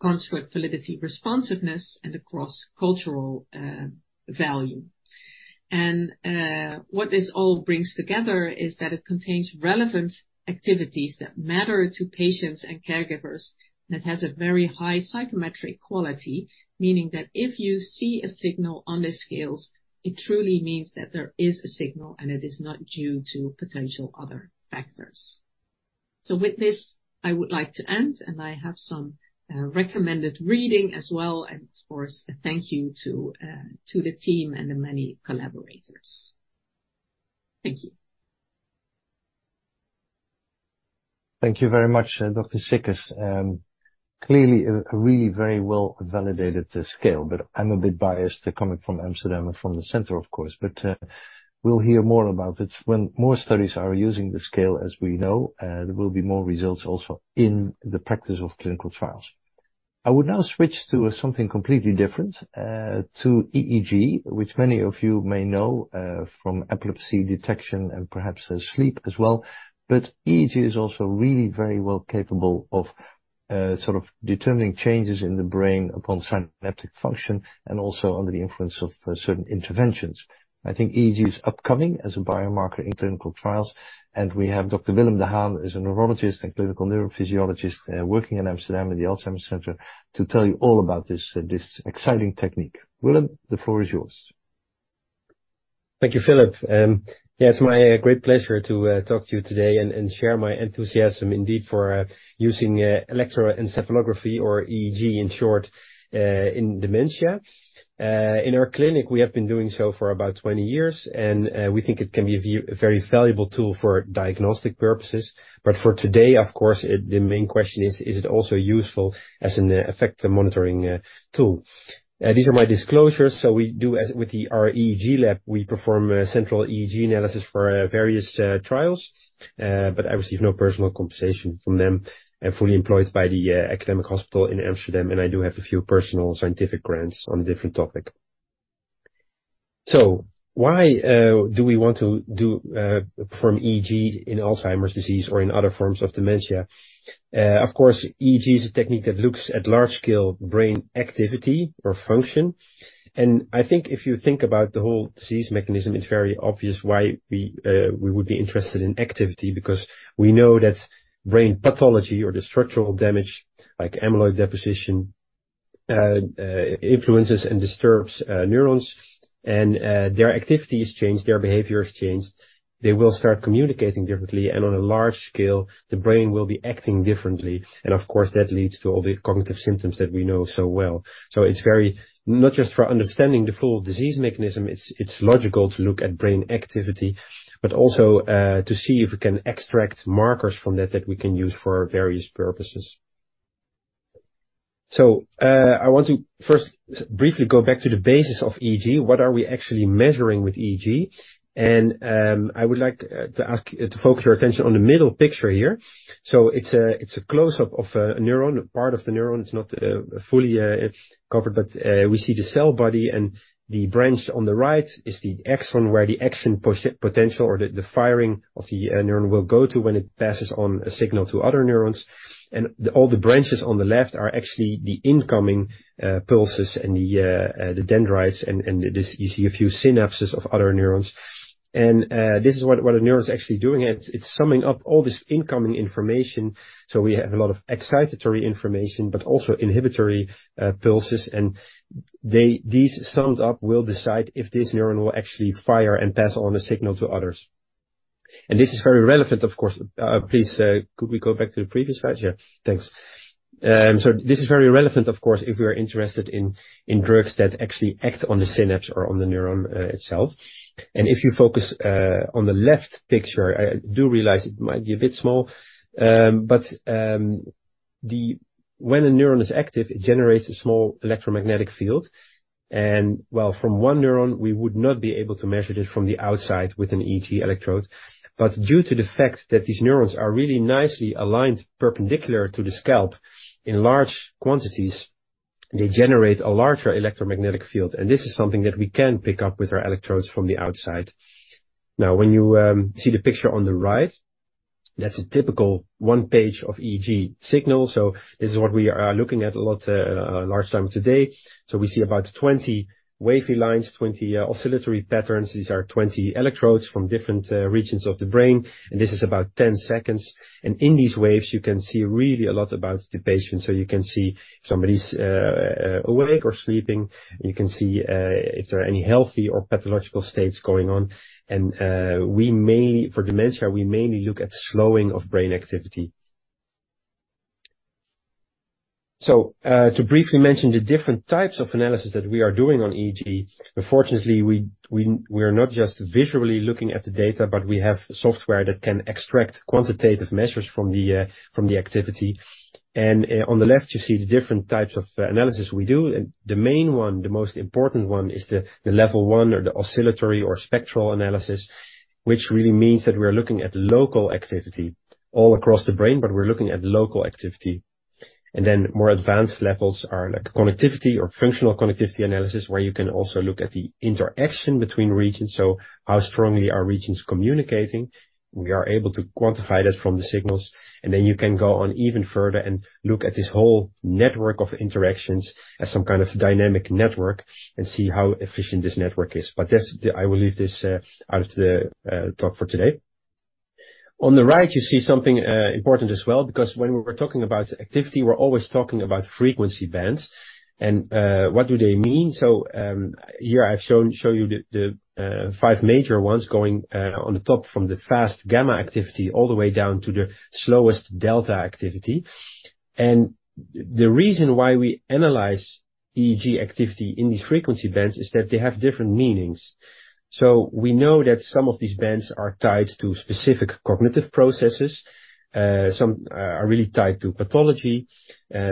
construct validity, responsiveness, and the cross-cultural value. What this all brings together is that it contains relevant activities that matter to patients and caregivers, and it has a very high psychometric quality, meaning that if you see a signal on the scales, it truly means that there is a signal, and it is not due to potential other factors. So with this, I would like to end, and I have some recommended reading as well, and of course, a thank you to the team and the many collaborators. Thank you. Thank you very much, Dr. Sikkes. Clearly, a really very well-validated scale, but I'm a bit biased coming from Amsterdam and from the center, of course. But we'll hear more about it when more studies are using the scale, as we know, there will be more results also in the practice of clinical trials. I would now switch to something completely different, to EEG, which many of you may know, from epilepsy detection and perhaps in sleep as well. But EEG is also really very well capable of sort of determining changes in the brain upon synaptic function and also under the influence of certain interventions. I think EEG is upcoming as a biomarker in clinical trials, and we have Dr. Willem de Haan, who is a neurologist and clinical neurophysiologist, working in Amsterdam at the Alzheimer's Center, to tell you all about this, this exciting technique. Willem, the floor is yours. Thank you, Philip. Yeah, it's my great pleasure to talk to you today and share my enthusiasm indeed for using electroencephalography or EEG, in short, in dementia. In our clinic, we have been doing so for about 20 years, and we think it can be a very valuable tool for diagnostic purposes. But for today, of course, the main question is, is it also useful as an effect monitoring tool? These are my disclosures. So, as with our EEG lab, we perform central EEG analysis for various trials. But I receive no personal compensation from them. I'm fully employed by the Academic Hospital in Amsterdam, and I do have a few personal scientific grants on a different topic. So why do we want to do perform EEG in Alzheimer's disease or in other forms of dementia? Of course, EEG is a technique that looks at large-scale brain activity or function, and I think if you think about the whole disease mechanism, it's very obvious why we would be interested in activity. Because we know that brain pathology or the structural damage, like amyloid deposition, influences and disturbs neurons, and their activity is changed, their behavior is changed. They will start communicating differently, and on a large scale, the brain will be acting differently. And of course, that leads to all the cognitive symptoms that we know so well. So it's very not just for understanding the full disease mechanism, it's, it's logical to look at brain activity, but also, to see if we can extract markers from that, that we can use for various purposes. So, I want to first briefly go back to the basics of EEG. What are we actually measuring with EEG? And, I would like to focus your attention on the middle picture here. So it's a close-up of a neuron, part of the neuron. It's not fully covered, but we see the cell body, and the branch on the right is the axon, where the axon potential or the firing of the neuron will go to when it passes on a signal to other neurons. And all the branches on the left are actually the incoming pulses and the dendrites, and you see a few synapses of other neurons. And this is what a neuron is actually doing. It's summing up all this incoming information. So we have a lot of excitatory information, but also inhibitory pulses, and these summed up will decide if this neuron will actually fire and pass on a signal to others. And this is very relevant, of course. Please, could we go back to the previous slide? Yeah, thanks. So this is very relevant, of course, if we are interested in drugs that actually act on the synapse or on the neuron itself. And if you focus on the left picture, I do realize it might be a bit small, but... When a neuron is active, it generates a small electromagnetic field, and well, from one neuron, we would not be able to measure this from the outside with an EEG electrode. But due to the fact that these neurons are really nicely aligned perpendicular to the scalp in large quantities, they generate a larger electromagnetic field, and this is something that we can pick up with our electrodes from the outside. Now, when you see the picture on the right, that's a typical one page of EEG signal. So this is what we are looking at a lot, a large time today. So we see about 20 wavy lines, 20 oscillatory patterns. These are 20 electrodes from different regions of the brain, and this is about 10 seconds. In these waves, you can see really a lot about the patient. So you can see if somebody's awake or sleeping. You can see if there are any healthy or pathological states going on, and we may... for dementia, we mainly look at slowing of brain activity. So, to briefly mention the different types of analysis that we are doing on EEG, but fortunately, we're not just visually looking at the data, but we have software that can extract quantitative measures from the activity. And on the left, you see the different types of analysis we do, and the main one, the most important one, is the level one or the oscillatory or spectral analysis, which really means that we're looking at local activity all across the brain, but we're looking at local activity. Then more advanced levels are like connectivity or functional connectivity analysis, where you can also look at the interaction between regions. How strongly are regions communicating? We are able to quantify that from the signals, and then you can go on even further and look at this whole network of interactions as some kind of dynamic network and see how efficient this network is. But that's the one I will leave out of the talk for today. On the right, you see something important as well, because when we're talking about activity, we're always talking about frequency bands, and what do they mean? Here I've shown you the five major ones going on the top from the fast gamma activity all the way down to the slowest delta activity. The reason why we analyze EEG activity in these frequency bands is that they have different meanings. So we know that some of these bands are tied to specific cognitive processes, some are really tied to pathology,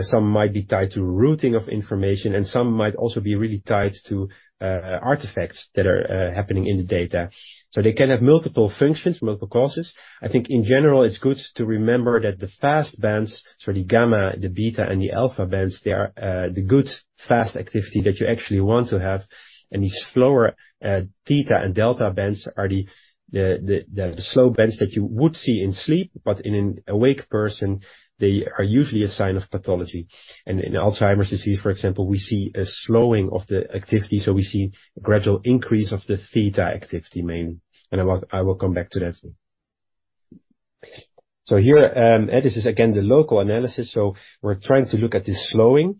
some might be tied to routing of information, and some might also be really tied to artifacts that are happening in the data. So they can have multiple functions, multiple causes. I think in general, it's good to remember that the fast bands, so the gamma, the beta, and the alpha bands, they are the good, fast activity that you actually want to have. These slower theta and delta bands are the slow bands that you would see in sleep, but in an awake person, they are usually a sign of pathology. In Alzheimer's disease, for example, we see a slowing of the activity, so we see a gradual increase of the theta activity mainly, and I will, I will come back to that. Here, this is again the local analysis, so we're trying to look at this slowing,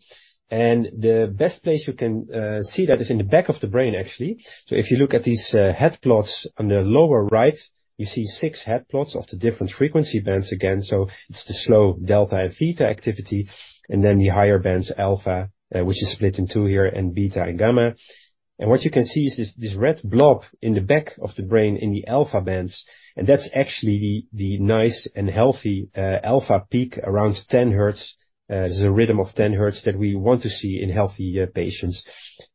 and the best place you can see that is in the back of the brain, actually. If you look at these head plots on the lower right, you see six head plots of the different frequency bands again. It's the slow delta and theta activity, and then the higher bands, alpha, which is split in two here, and beta and gamma. What you can see is this red blob in the back of the brain in the alpha bands, and that's actually the nice and healthy alpha peak around 10 hertz. There's a rhythm of 10 hertz that we want to see in healthy patients.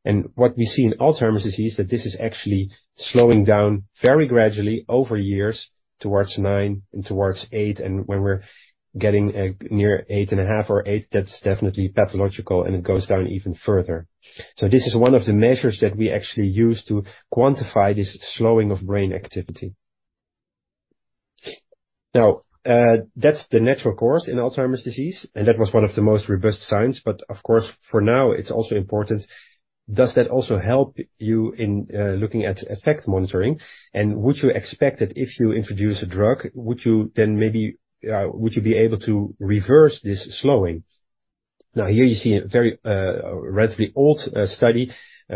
And what we see in Alzheimer's disease, that this is actually slowing down very gradually over years towards 9 and towards 8, and when we're getting near 8.5 or 8, that's definitely pathological, and it goes down even further. So this is one of the measures that we actually use to quantify this slowing of brain activity. Now, that's the natural course in Alzheimer's disease, and that was one of the most robust signs, but of course, for now, it's also important. Does that also help you in looking at effect monitoring? And would you expect that if you introduce a drug, would you then maybe, would you be able to reverse this slowing? Now, here you see a very, relatively old, study,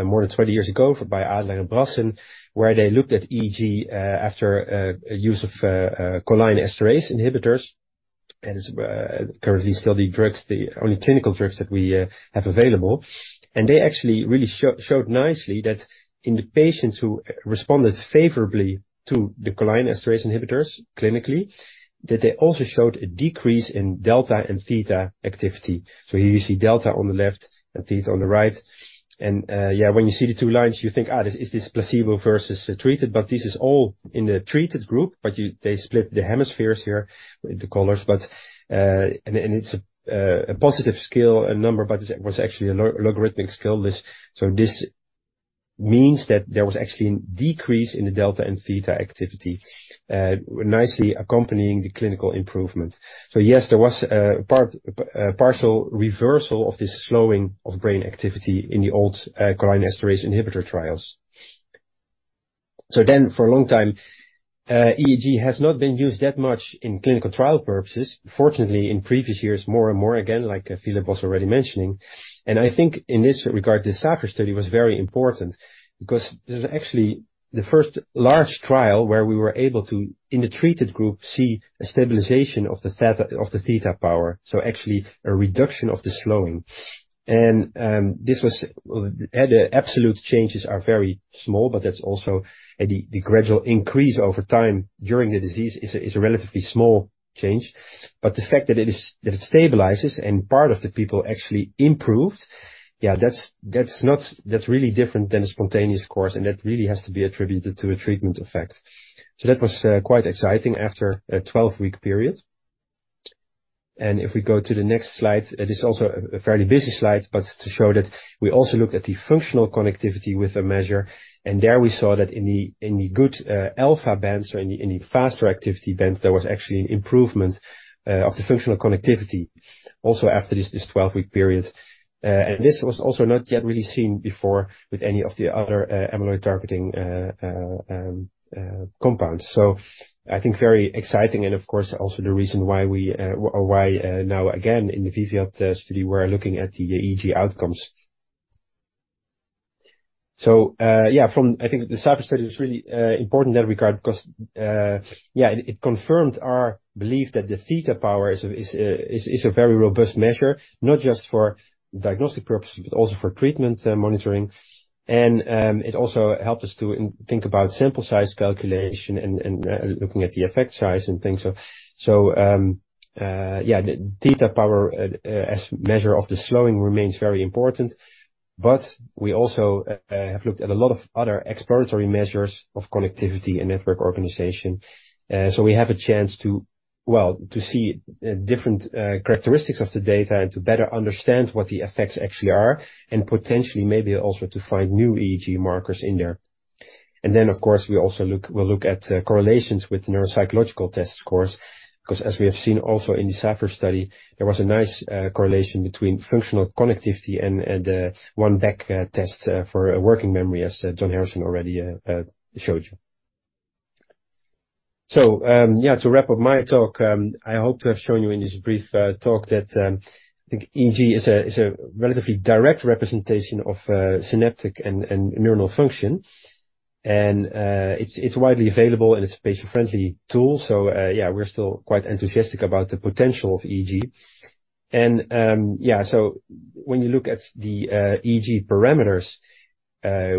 more than 20 years ago by Adler and Brassen, where they looked at EEG after a use of cholinesterase inhibitors, and it's currently still the drugs, the only clinical drugs that we have available. And they actually really showed nicely that in the patients who responded favorably to the cholinesterase inhibitors clinically, that they also showed a decrease in delta and theta activity. So here you see delta on the left and theta on the right. Yeah, when you see the two lines, you think, "Ah, this is this placebo versus treated," but this is all in the treated group, but you they split the hemispheres here with the colors, but, and, and it's a positive scale and number, but it was actually a logarithmic scale, this. So this means that there was actually a decrease in the delta and theta activity, nicely accompanying the clinical improvement. So yes, there was a partial reversal of this slowing of brain activity in the old cholinesterase inhibitor trials. So then, for a long time, EEG has not been used that much in clinical trial purposes. Fortunately, in previous years, more and more again, like Philip was already mentioning, and I think in this regard, the SAPHIR study was very important because this is actually the first large trial where we were able to, in the treated group, see a stabilization of the theta, of the theta power, so actually a reduction of the slowing... And this was, the absolute changes are very small, but that's also the, the gradual increase over time during the disease is a, is a relatively small change. But the fact that it is, that it stabilizes and part of the people actually improved, yeah, that's, that's not. That's really different than a spontaneous course, and that really has to be attributed to a treatment effect. So that was quite exciting after a 12-week period. If we go to the next slide, it is also a fairly busy slide, but to show that we also looked at the functional connectivity with a measure, and there we saw that in the good alpha bands or in the faster activity bands, there was actually an improvement of the functional connectivity also after this 12-week period. This was also not yet really seen before with any of the other amyloid-targeting compounds. So I think very exciting and of course, also the reason why we or why now again, in the VIVIAD study, we're looking at the EEG outcomes. So, yeah, I think the SAPHIR study is really important in that regard because, yeah, it confirmed our belief that the theta power is a very robust measure, not just for diagnostic purposes, but also for treatment monitoring. And, it also helped us to think about sample size calculation and looking at the effect size and things. So, yeah, the theta power as measure of the slowing remains very important, but we also have looked at a lot of other exploratory measures of connectivity and network organization. So we have a chance to... well, to see different characteristics of the data and to better understand what the effects actually are, and potentially maybe also to find new EEG markers in there. And then, of course, we also look, we'll look at correlations with neuropsychological test scores, 'cause as we have seen also in the SAPHIR study, there was a nice correlation between functional connectivity and One Back test for working memory, as John Harrison already showed you. So, yeah, to wrap up my talk, I hope to have shown you in this brief talk that I think EEG is a relatively direct representation of synaptic and neuronal function, and it's widely available, and it's a patient-friendly tool. So, yeah, we're still quite enthusiastic about the potential of EEG. Yeah, so when you look at the EEG parameters,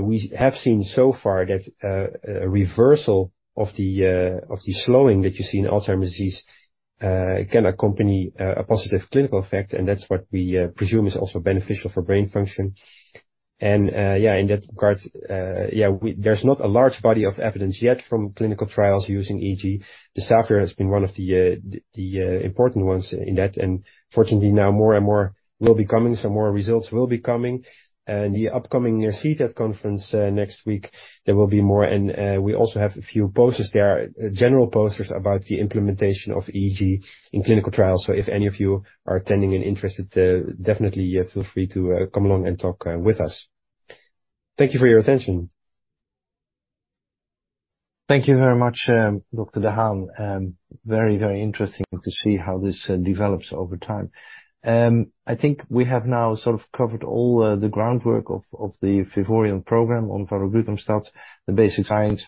we have seen so far that a reversal of the slowing that you see in Alzheimer's disease can accompany a positive clinical effect, and that's what we presume is also beneficial for brain function. Yeah, in that regard, yeah, there's not a large body of evidence yet from clinical trials using EEG. The SAPHIR has been one of the important ones in that, and fortunately, now, more and more will be coming, some more results will be coming. The upcoming CTAD conference next week, there will be more, and we also have a few posters there, general posters about the implementation of EEG in clinical trials. So if any of you are attending and interested, definitely, feel free to, come along and talk, with us. Thank you for your attention. Thank you very much, Dr. de Haan. Very, very interesting to see how this develops over time. I think we have now sort of covered all the groundwork of the Vivoryon program on varoglutamstat, the basic science,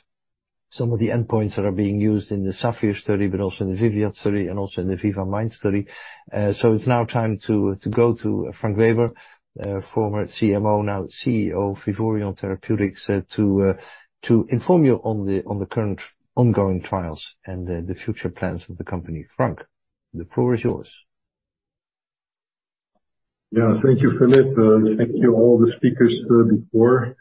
some of the endpoints that are being used in the SAPHIR study, but also in the VIVIAD study and also in the VIVA-MIND study. So it's now time to go to Frank Weber, former CMO, now CEO of Vivoryon Therapeutics, to inform you on the current ongoing trials and the future plans of the company. Frank, the floor is yours. Yeah. Thank you, Philip. Thank you, all the speakers, before.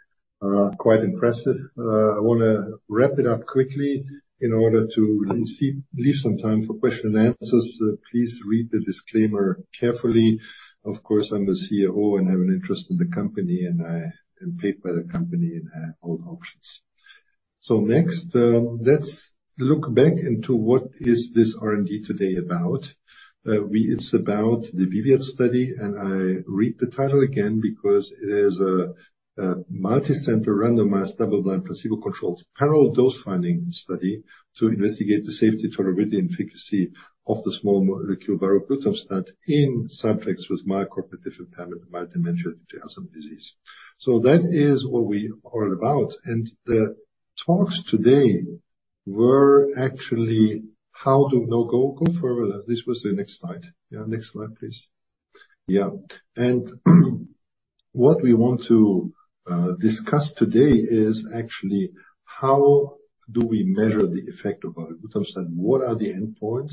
Quite impressive. I wanna wrap it up quickly in order to leave some time for question and answers. Please read the disclaimer carefully. Of course, I'm the CEO and have an interest in the company, and I am paid by the company, and I hold options. So next, let's look back into what is this R&D today about. It's about the VIVIAD study, and I read the title again because it is a multicenter, randomized, double-blind, placebo-controlled, parallel, dose-finding study to investigate the safety, tolerability, and efficacy of the small molecule varoglutamstat in subjects with mild cognitive impairment or mild dementia due to Alzheimer's disease. So that is what we are all about, and the talks today were actually, how do we go further? This was the next slide. Yeah, next slide, please. Yeah. And, what we want to, discuss today is actually, how do we measure the effect of varoglutamstat? What are the endpoints,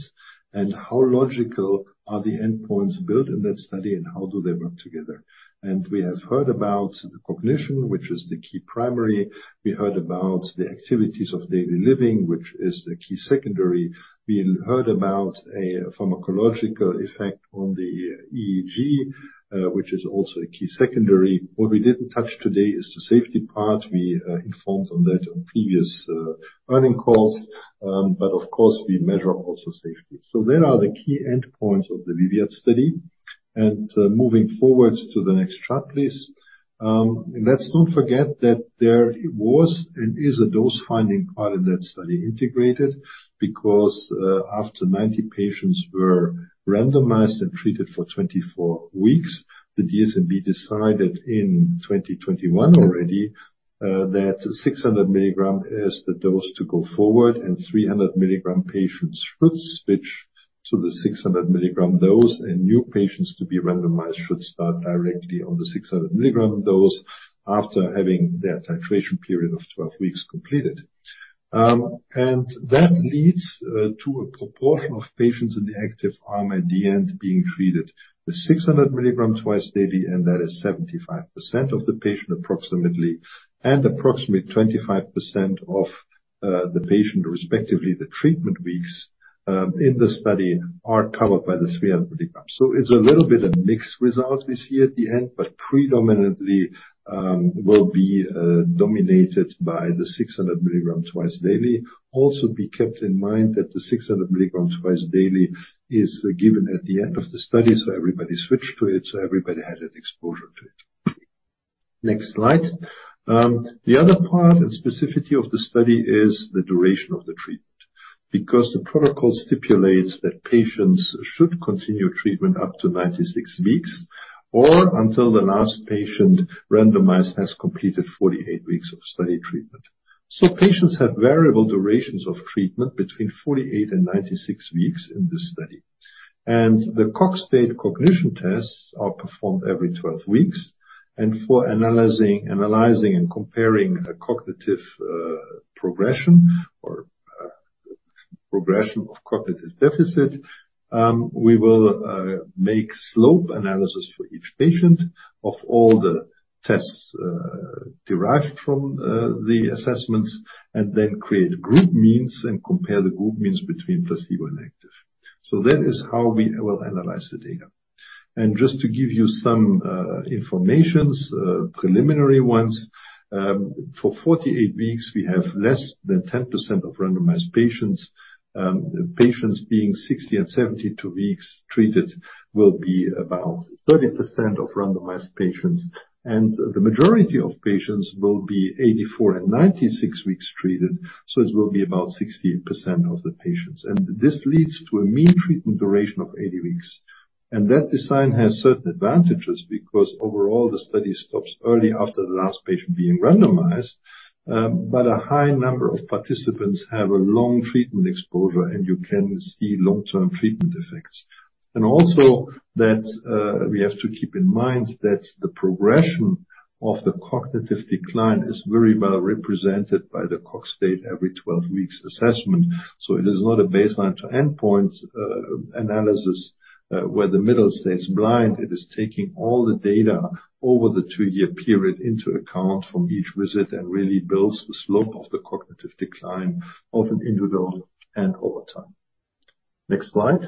and how logical are the endpoints built in that study, and how do they work together? And we have heard about the cognition, which is the key primary. We heard about the activities of daily living, which is the key secondary. We heard about a pharmacological effect on the EEG, which is also a key secondary. What we didn't touch today is the safety part. We, informed on that on previous, earning calls. But of course, we measure also safety. So there are the key endpoints of the VIVIAD study. And, moving forward to the next chart, please. Let's not forget that there was and is a dose-finding part in that study integrated, because, after 90 patients were randomized and treated for 24 weeks, the DSMB decided in 2021 already, that 600 mg is the dose to go forward, and 300 mg patients should switch to the 600 mg dose, and new patients to be randomized should start directly on the 600 mg dose after having their titration period of 12 weeks completed. And that leads, to a proportion of patients in the active arm at the end being treated with 600 mg twice daily, and that is 75% of the patient, approximately, and approximately 25% of, the patient, respectively. The treatment weeks in the study are covered by the 300 mg. So it's a little bit of mixed results we see at the end, but predominantly will be dominated by the 600 milligrams twice daily. Also, be kept in mind that the 600 milligrams twice daily is given at the end of the study, so everybody switched to it, so everybody had an exposure to it. Next slide. The other part and specificity of the study is the duration of the treatment, because the protocol stipulates that patients should continue treatment up to 96 weeks or until the last patient randomized has completed 48 weeks of study treatment. So patients have variable durations of treatment between 48 and 96 weeks in this study. And the Cogstate cognition tests are performed every 12 weeks, and for analyzing and comparing a cognitive progression or progression of cognitive deficit, we will make slope analysis for each patient of all the tests derived from the assessments, and then create group means and compare the group means between placebo and active. So that is how we will analyze the data. And just to give you some information, preliminary ones, for 48 weeks, we have less than 10% of randomized patients. Patients being 60 and 72 weeks treated will be about 30% of randomized patients, and the majority of patients will be 84 and 96 weeks treated, so it will be about 60% of the patients. And this leads to a mean treatment duration of 80 weeks. And that design has certain advantages because overall, the study stops early after the last patient being randomized, but a high number of participants have a long treatment exposure, and you can see long-term treatment effects. And also, that, we have to keep in mind that the progression of the cognitive decline is very well represented by the Cogstate every 12 weeks assessment. So it is not a baseline to endpoint, analysis, where the middle stays blind. It is taking all the data over the 2-year period into account from each visit and really builds the slope of the cognitive decline of an individual and over time. Next slide.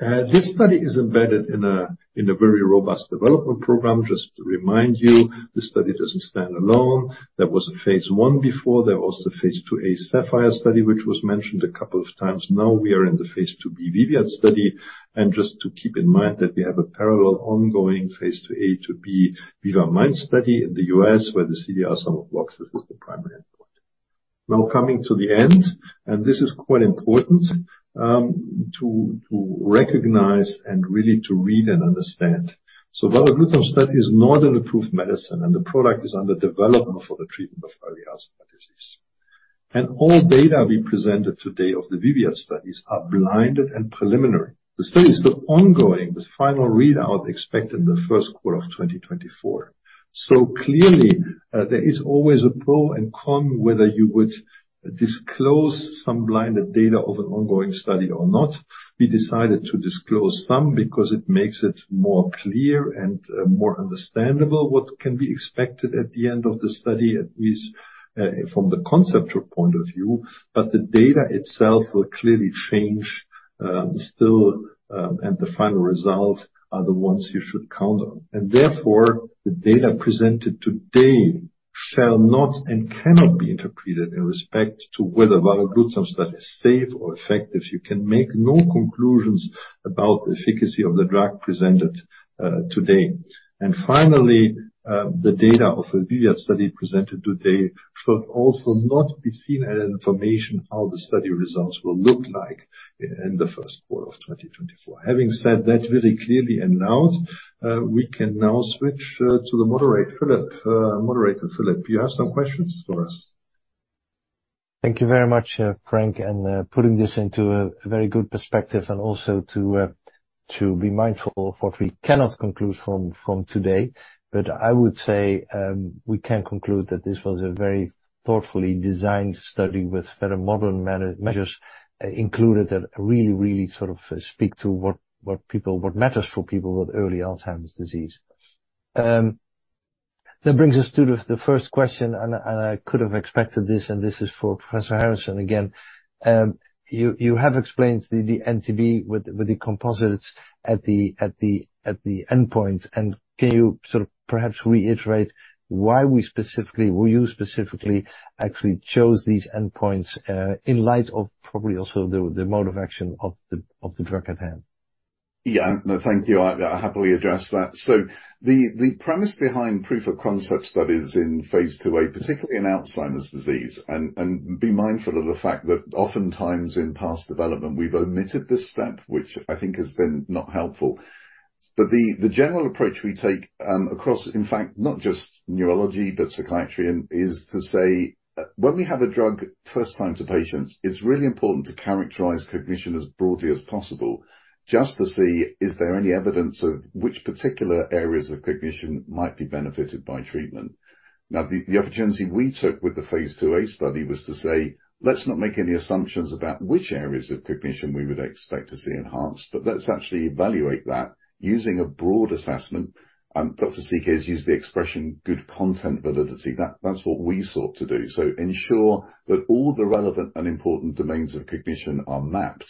This study is embedded in a, in a very robust development program. Just to remind you, this study doesn't stand alone. There was a phase I before. There was the phase II-A SAPHIR study, which was mentioned a couple of times. Now we are in the phase II-B VIVIAD study, and just to keep in mind that we have a parallel ongoing phase II VIVA-MIND study in the U.S., where the CDR-SB is the primary endpoint. Well, coming to the end, and this is quite important, to recognize and really to read and understand. So while a good study is not an approved medicine, and the product is under development for the treatment of early Alzheimer's disease, and all data we presented today of the VIVIAD study are blinded and preliminary. The study is still ongoing, with final readout expected in the Q1 of 2024. So clearly, there is always a pro and con whether you would disclose some blinded data of an ongoing study or not. We decided to disclose some because it makes it more clear and, more understandable what can be expected at the end of the study, at least, from the conceptual point of view. But the data itself will clearly change, still, and the final results are the ones you should count on. And therefore, the data presented today shall not and cannot be interpreted in respect to whether varoglutamstat study is safe or effective. You can make no conclusions about the efficacy of the drug presented, today. And finally, the data of the VIVIAD study presented today should also not be seen as information, how the study results will look like in the Q1 of 2024. Having said that, really clearly announced, we can now switch to the moderator, Philip. Moderator Philip, you have some questions for us? Thank you very much, Frank, and putting this into a very good perspective and also to be mindful of what we cannot conclude from today. But I would say, we can conclude that this was a very thoughtfully designed study with very modern measures included, that really, really sort of speak to what people—what matters for people with early Alzheimer's disease. That brings us to the first question, and I could have expected this, and this is for Professor Harrison again. You have explained the NTB with the composites at the endpoint, and can you sort of perhaps reiterate why we specifically, or you specifically, actually chose these endpoints, in light of probably also the mode of action of the drug at hand? Yeah. No, thank you. I happily address that. So the premise behind proof of concept studies in phase II-A, particularly in Alzheimer's disease, and be mindful of the fact that oftentimes in past development, we've omitted this step, which I think has been not helpful. But the general approach we take, across, in fact, not just neurology, but psychiatry, is to say, when we have a drug first time to patients, it's really important to characterize cognition as broadly as possible, just to see is there any evidence of which particular areas of cognition might be benefited by treatment. Now, the opportunity we took with the phase II-A study was to say, let's not make any assumptions about which areas of cognition we would expect to see enhanced, but let's actually evaluate that using a broad assessment. And Dr. Sikkes has used the expression, good content validity. That's what we sought to do. So ensure that all the relevant and important domains of cognition are mapped.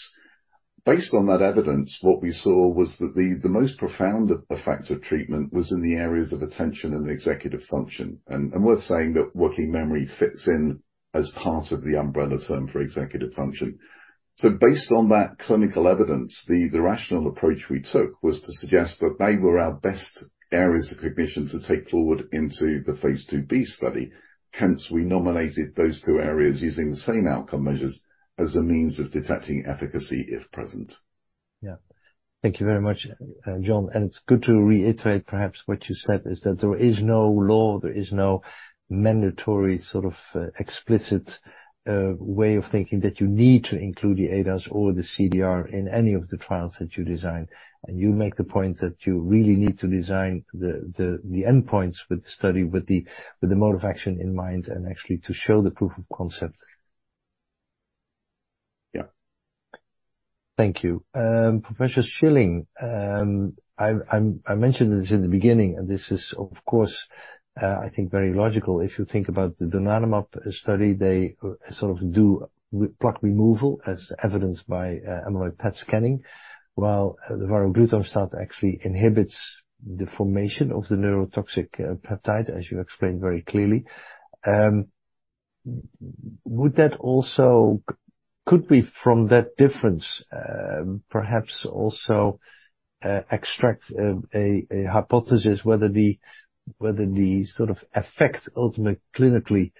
Based on that evidence, what we saw was that the most profound effect of treatment was in the areas of attention and executive function, and worth saying that working memory fits in as part of the umbrella term for executive function. So based on that clinical evidence, the rational approach we took was to suggest that they were our best areas of cognition to take forward into the phase II-B study. Hence, we nominated those two areas using the same outcome measures as a means of detecting efficacy, if present. Yeah. Thank you very much, John, and it's good to reiterate perhaps what you said, is that there is no law, there is no mandatory sort of, explicit, way of thinking that you need to include the ADAS or the CDR in any of the trials that you design. And you make the point that you really need to design the endpoints with the study, with the mode of action in mind, and actually to show the proof of concept. Yeah. Thank you. Professor Schilling, I mentioned this in the beginning, and this is, of course, I think, very logical. If you think about the donanemab study, they sort of do plaque removal, as evidenced by amyloid PET scanning, while the varoglutamstat actually inhibits the formation of the neurotoxic peptide, as you explained very clearly. Would that also... Could we, from that difference, perhaps also extract a hypothesis whether the sort of effect, ultimate clinically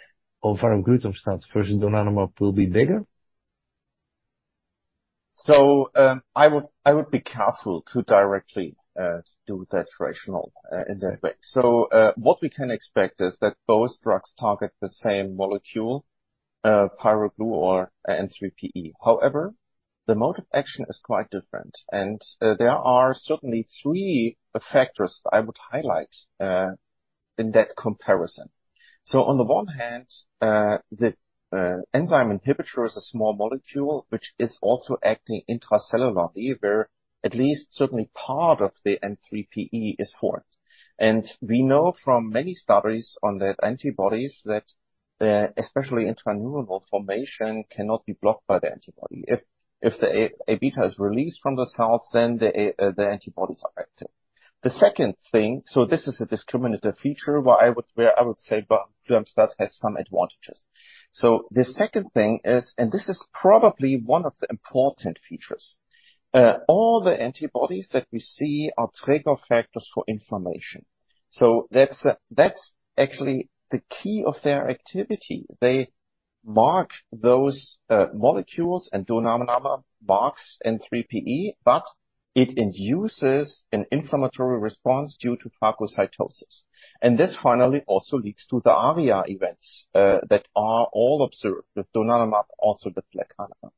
of varoglutamstat versus donanemab will be better? So, I would be careful to directly do that rationale in that way. So, what we can expect is that both drugs target the same molecule, pyroGlu or N3pE. However, the mode of action is quite different, and there are certainly three factors that I would highlight in that comparison. So on the one hand, the enzyme inhibitor is a small molecule, which is also acting intracellularly, where at least certainly part of the N3pE is formed. And we know from many studies on that antibodies, that especially intra-nuclear formation cannot be blocked by the antibody. If the Aβ is released from the cells, then the antibodies are active. The second thing, so this is a discriminative feature, where I would say varoglutamstat has some advantages. So the second thing is, and this is probably one of the important features, all the antibodies that we see are trigger factors for inflammation. So that's actually the key of their activity. They mark those molecules and donanemab marks N3pE, but it induces an inflammatory response due to phagocytosis. And this finally also leads to the ARIA events that are all observed with donanemab, also with lecanemab.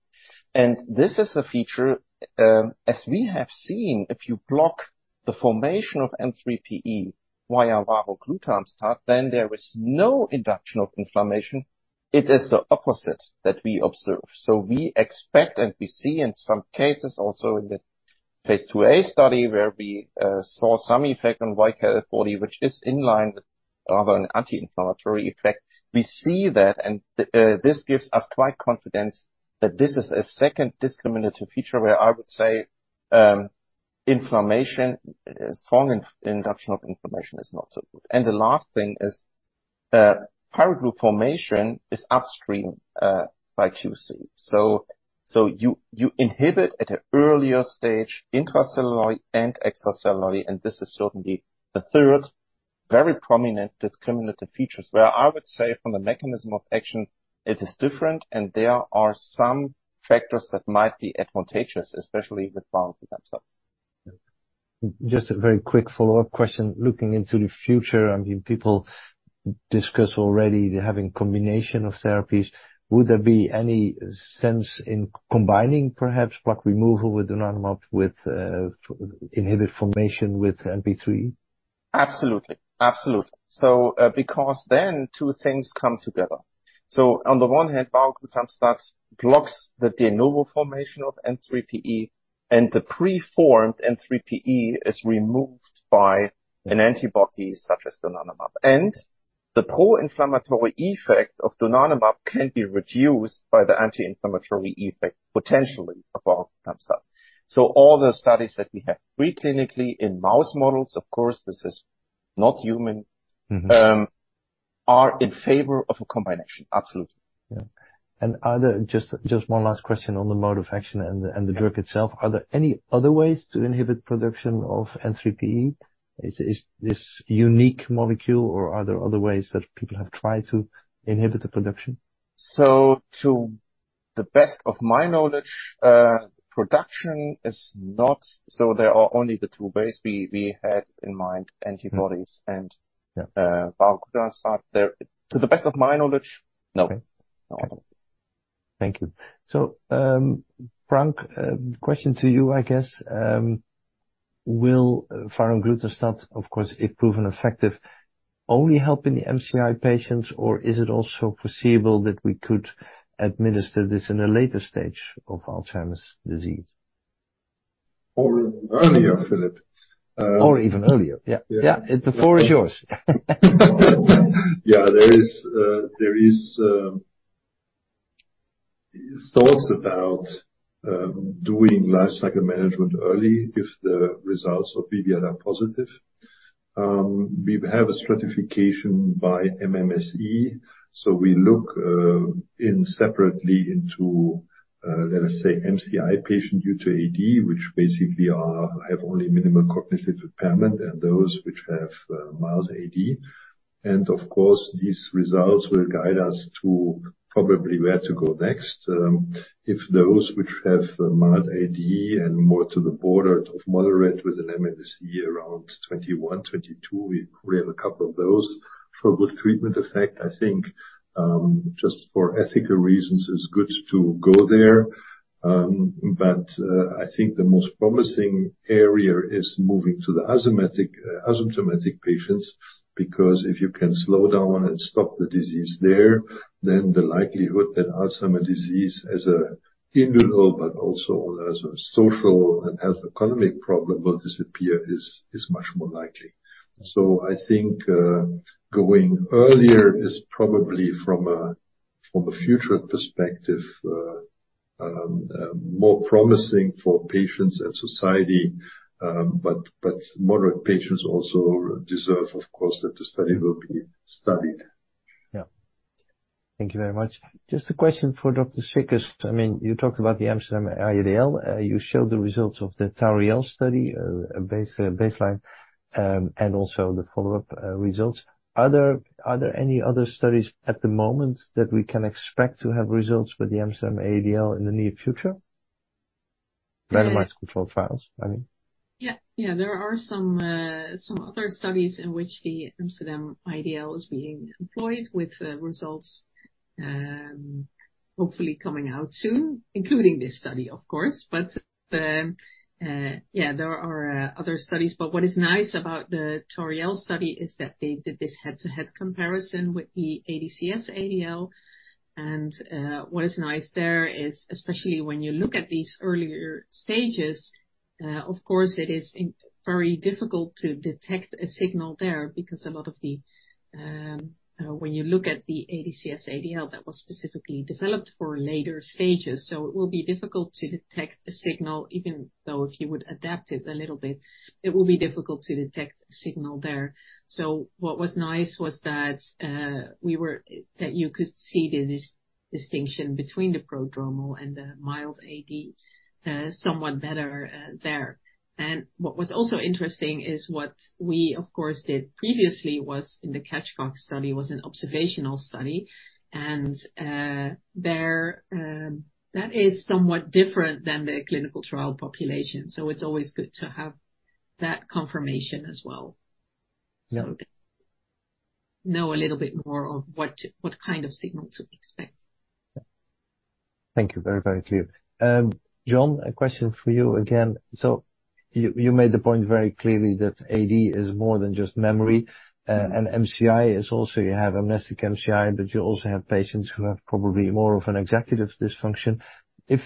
And this is a feature, as we have seen, if you block the formation of N3pE via varoglutamstat, then there is no induction of inflammation. It is the opposite that we observe. So we expect, and we see in some cases also in the phase II-A study, where we saw some effect on YKL-40, which is in line with rather an anti-inflammatory effect. We see that, and this gives us quite confidence that this is a second discriminative feature where I would say, inflammation, strong induction of inflammation is not so good. And the last thing is, pyroGlu formation is upstream by QC. So you inhibit at an earlier stage, intracellularly and extracellularly, and this is certainly the third very prominent discriminative features, where I would say from the mechanism of action, it is different, and there are some factors that might be advantageous, especially with varoglutamstat. Just a very quick follow-up question. Looking into the future, I mean, people discuss already having combination of therapies. Would there be any sense in combining, perhaps, plaque removal with donanemab, with, inhibit formation with N3pE? Absolutely. Absolutely. So, because then two things come together. So on the one hand, varoglutamstat blocks the de novo formation of N3pE, and the preformed N3pE is removed by an antibody such as donanemab. And the pro-inflammatory effect of donanemab can be reduced by the anti-inflammatory effect, potentially, of varoglutamstat. So all the studies that we have pre-clinically in mouse models, of course, this is not human- Mm-hmm... are in favor of a combination. Absolutely. Yeah. And are there... Just one last question on the mode of action and the drug itself. Are there any other ways to inhibit production of N3pE? Is this unique molecule, or are there other ways that people have tried to inhibit the production? So to the best of my knowledge, production is not. So there are only the two ways we had in mind, antibodies and- Yeah. varoglutamstat. To the best of my knowledge, no. Okay. Thank you. Frank, question to you, I guess. Will varoglutamstat, of course, if proven effective, only help in the MCI patients, or is it also foreseeable that we could administer this in a later stage of Alzheimer's disease? Or earlier, Philip? Or even earlier. Yeah. Yeah. Yeah. The floor is yours. Yeah, there is thoughts about doing life cycle management early if the results of BBIA are positive. We have a stratification by MMSE, so we look in separately into, let us say, MCI patient due to AD, which basically have only minimal cognitive impairment and those which have mild AD. And of course, these results will guide us to probably where to go next. If those which have mild AD and more to the border of moderate with an MMSE around 21, 22, we have a couple of those. For good treatment effect, I think, just for ethical reasons, it's good to go there. But, I think the most promising area is moving to the asymptomatic patients, because if you can slow down and stop the disease there, then the likelihood that Alzheimer's disease as an individual, but also as a social and health economic problem, will disappear, is much more likely. So I think, going earlier is probably from a future perspective, more promising for patients and society. But moderate patients also deserve, of course, that the study will be studied. Yeah. Thank you very much. Just a question for Dr. Sikkes. I mean, you talked about the Amsterdam-ADL. You showed the results of the TORIELL study, baseline, and also the follow-up results. Are there any other studies at the moment that we can expect to have results with the Amsterdam-ADL in the near future? Randomized controlled trials, I mean. Yeah. Yeah, there are some, some other studies in which the Amsterdam-ADL is being employed, with, results, hopefully coming out soon, including this study, of course. But, yeah, there are, other studies, but what is nice about the TORIELL study is that they did this head-to-head comparison with the ADCS-ADL. And, what is nice there is, especially when you look at these earlier stages, of course, it is very difficult to detect a signal there because a lot of the, when you look at the ADCS-ADL, that was specifically developed for later stages. So it will be difficult to detect a signal, even though if you would adapt it a little bit, it will be difficult to detect a signal there. So what was nice was that, we were... That you could see the distinction between the prodromal and the mild AD somewhat better there. And what was also interesting is what we, of course, did previously was in the CATCH-Cog study, was an observational study, and there, that is somewhat different than the clinical trial population, so it's always good to have that confirmation as well. Yeah. So know a little bit more of what, what kind of signal to expect. Yeah. Thank you. Very, very clear. John, a question for you again. So you made the point very clearly that AD is more than just memory, and MCI is also... You have amnestic MCI, but you also have patients who have probably more of an executive dysfunction. If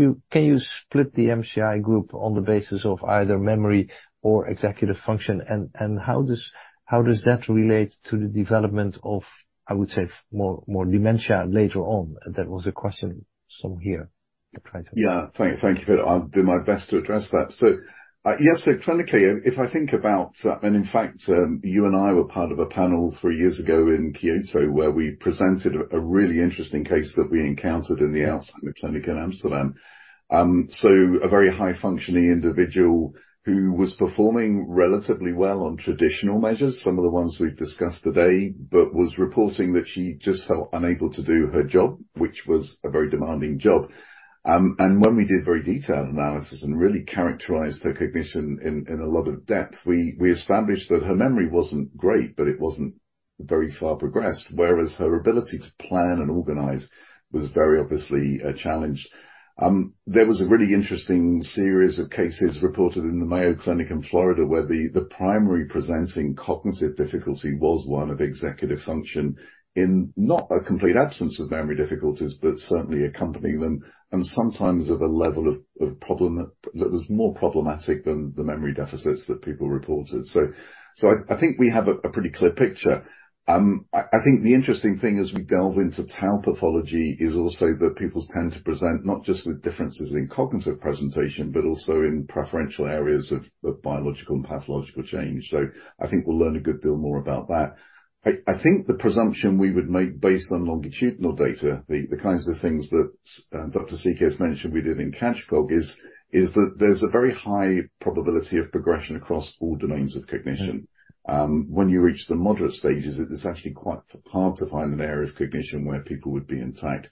you can split the MCI group on the basis of either memory or executive function? And how does that relate to the development of, I would say, more dementia later on? That was a question somewhere here. I try to- Yeah. Thank you for that. I'll do my best to address that. So, yes, so clinically, if I think about... and in fact, you and I were part of a panel three years ago in Kyoto, where we presented a really interesting case that we encountered in the outside clinic in Amsterdam. So a very high-functioning individual who was performing relatively well on traditional measures, some of the ones we've discussed today, but was reporting that she just felt unable to do her job, which was a very demanding job. And when we did very detailed analysis and really characterized her cognition in a lot of depth, we established that her memory wasn't great, but it wasn't very far progressed, whereas her ability to plan and organize was very obviously challenged. There was a really interesting series of cases reported in the Mayo Clinic in Florida, where the primary presenting cognitive difficulty was one of executive function, in not a complete absence of memory difficulties, but certainly accompanying them, and sometimes of a level of problem that was more problematic than the memory deficits that people reported. So I think we have a pretty clear picture. I think the interesting thing as we delve into tau pathology is also that people tend to present not just with differences in cognitive presentation, but also in preferential areas of biological and pathological change. So I think we'll learn a good deal more about that. I think the presumption we would make based on longitudinal data, the kinds of things that Dr. Sikkes mentioned we did in Catch Cog, that there's a very high probability of progression across all domains of cognition. When you reach the moderate stages, it is actually quite hard to find an area of cognition where people would be intact.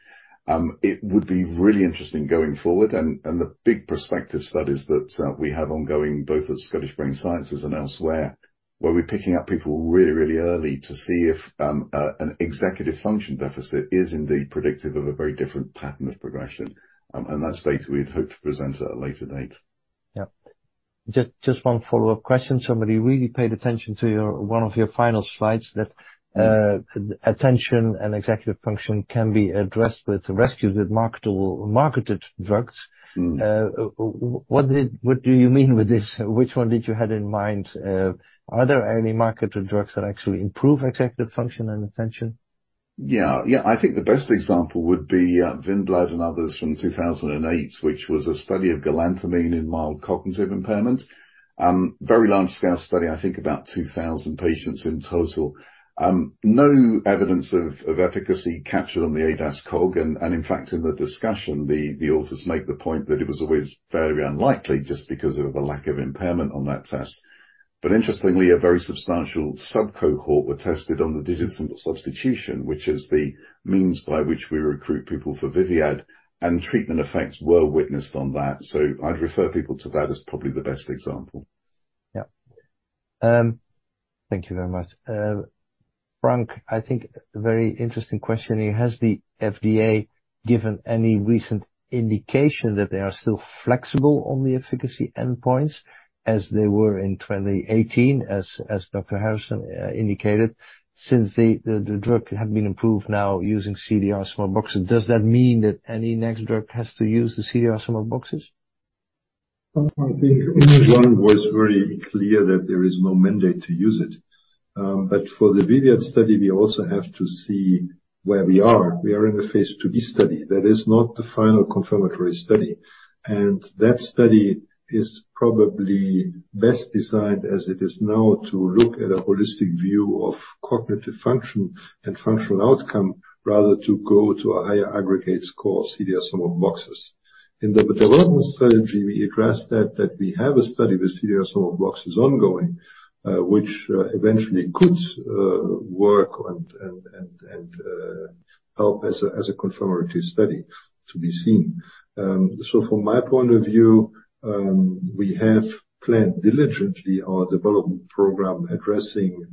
It would be really interesting going forward, and the big prospective studies that we have ongoing, both at Scottish Brain Sciences and elsewhere—where we're picking up people really, really early to see if an executive function deficit is indeed predictive of a very different pattern of progression. And that data we'd hope to present at a later date. Yep. Just, just one follow-up question. Somebody really paid attention to your one of your final slides, that attention and executive function can be addressed with rescued with marketable-marketed drugs. Mm. What do you mean with this? Which one did you have in mind? Are there any marketed drugs that actually improve executive function and attention? Yeah, yeah. I think the best example would be Vinblad and others from 2008, which was a study of galantamine in mild cognitive impairment. Very large-scale study, I think about 2000 patients in total. No evidence of efficacy captured on the ADAS-Cog, and in fact, in the discussion, the authors make the point that it was always very unlikely just because of the lack of impairment on that test. But interestingly, a very substantial subcohort were tested on the digit symbol substitution, which is the means by which we recruit people for VIVIAD, and treatment effects were witnessed on that. So I'd refer people to that as probably the best example. Yeah. Thank you very much. Frank, I think a very interesting question here: has the FDA given any recent indication that they are still flexible on the efficacy endpoints as they were in 2018, as Dr. Harrison indicated, since the drug had been improved now using CDR sum of boxes, does that mean that any next drug has to use the CDR sum of boxes? I think John was very clear that there is no mandate to use it. But for the VIVIAD study, we also have to see where we are. We are in a phase II-B study. That is not the final confirmatory study, and that study is probably best designed as it is now, to look at a holistic view of cognitive function and functional outcome, rather to go to a higher aggregate score, CDR sum of boxes. In the development strategy, we addressed that, that we have a study with CDR sum of boxes ongoing, which eventually could work and help as a confirmatory study to be seen. So from my point of view, we have planned diligently our development program, addressing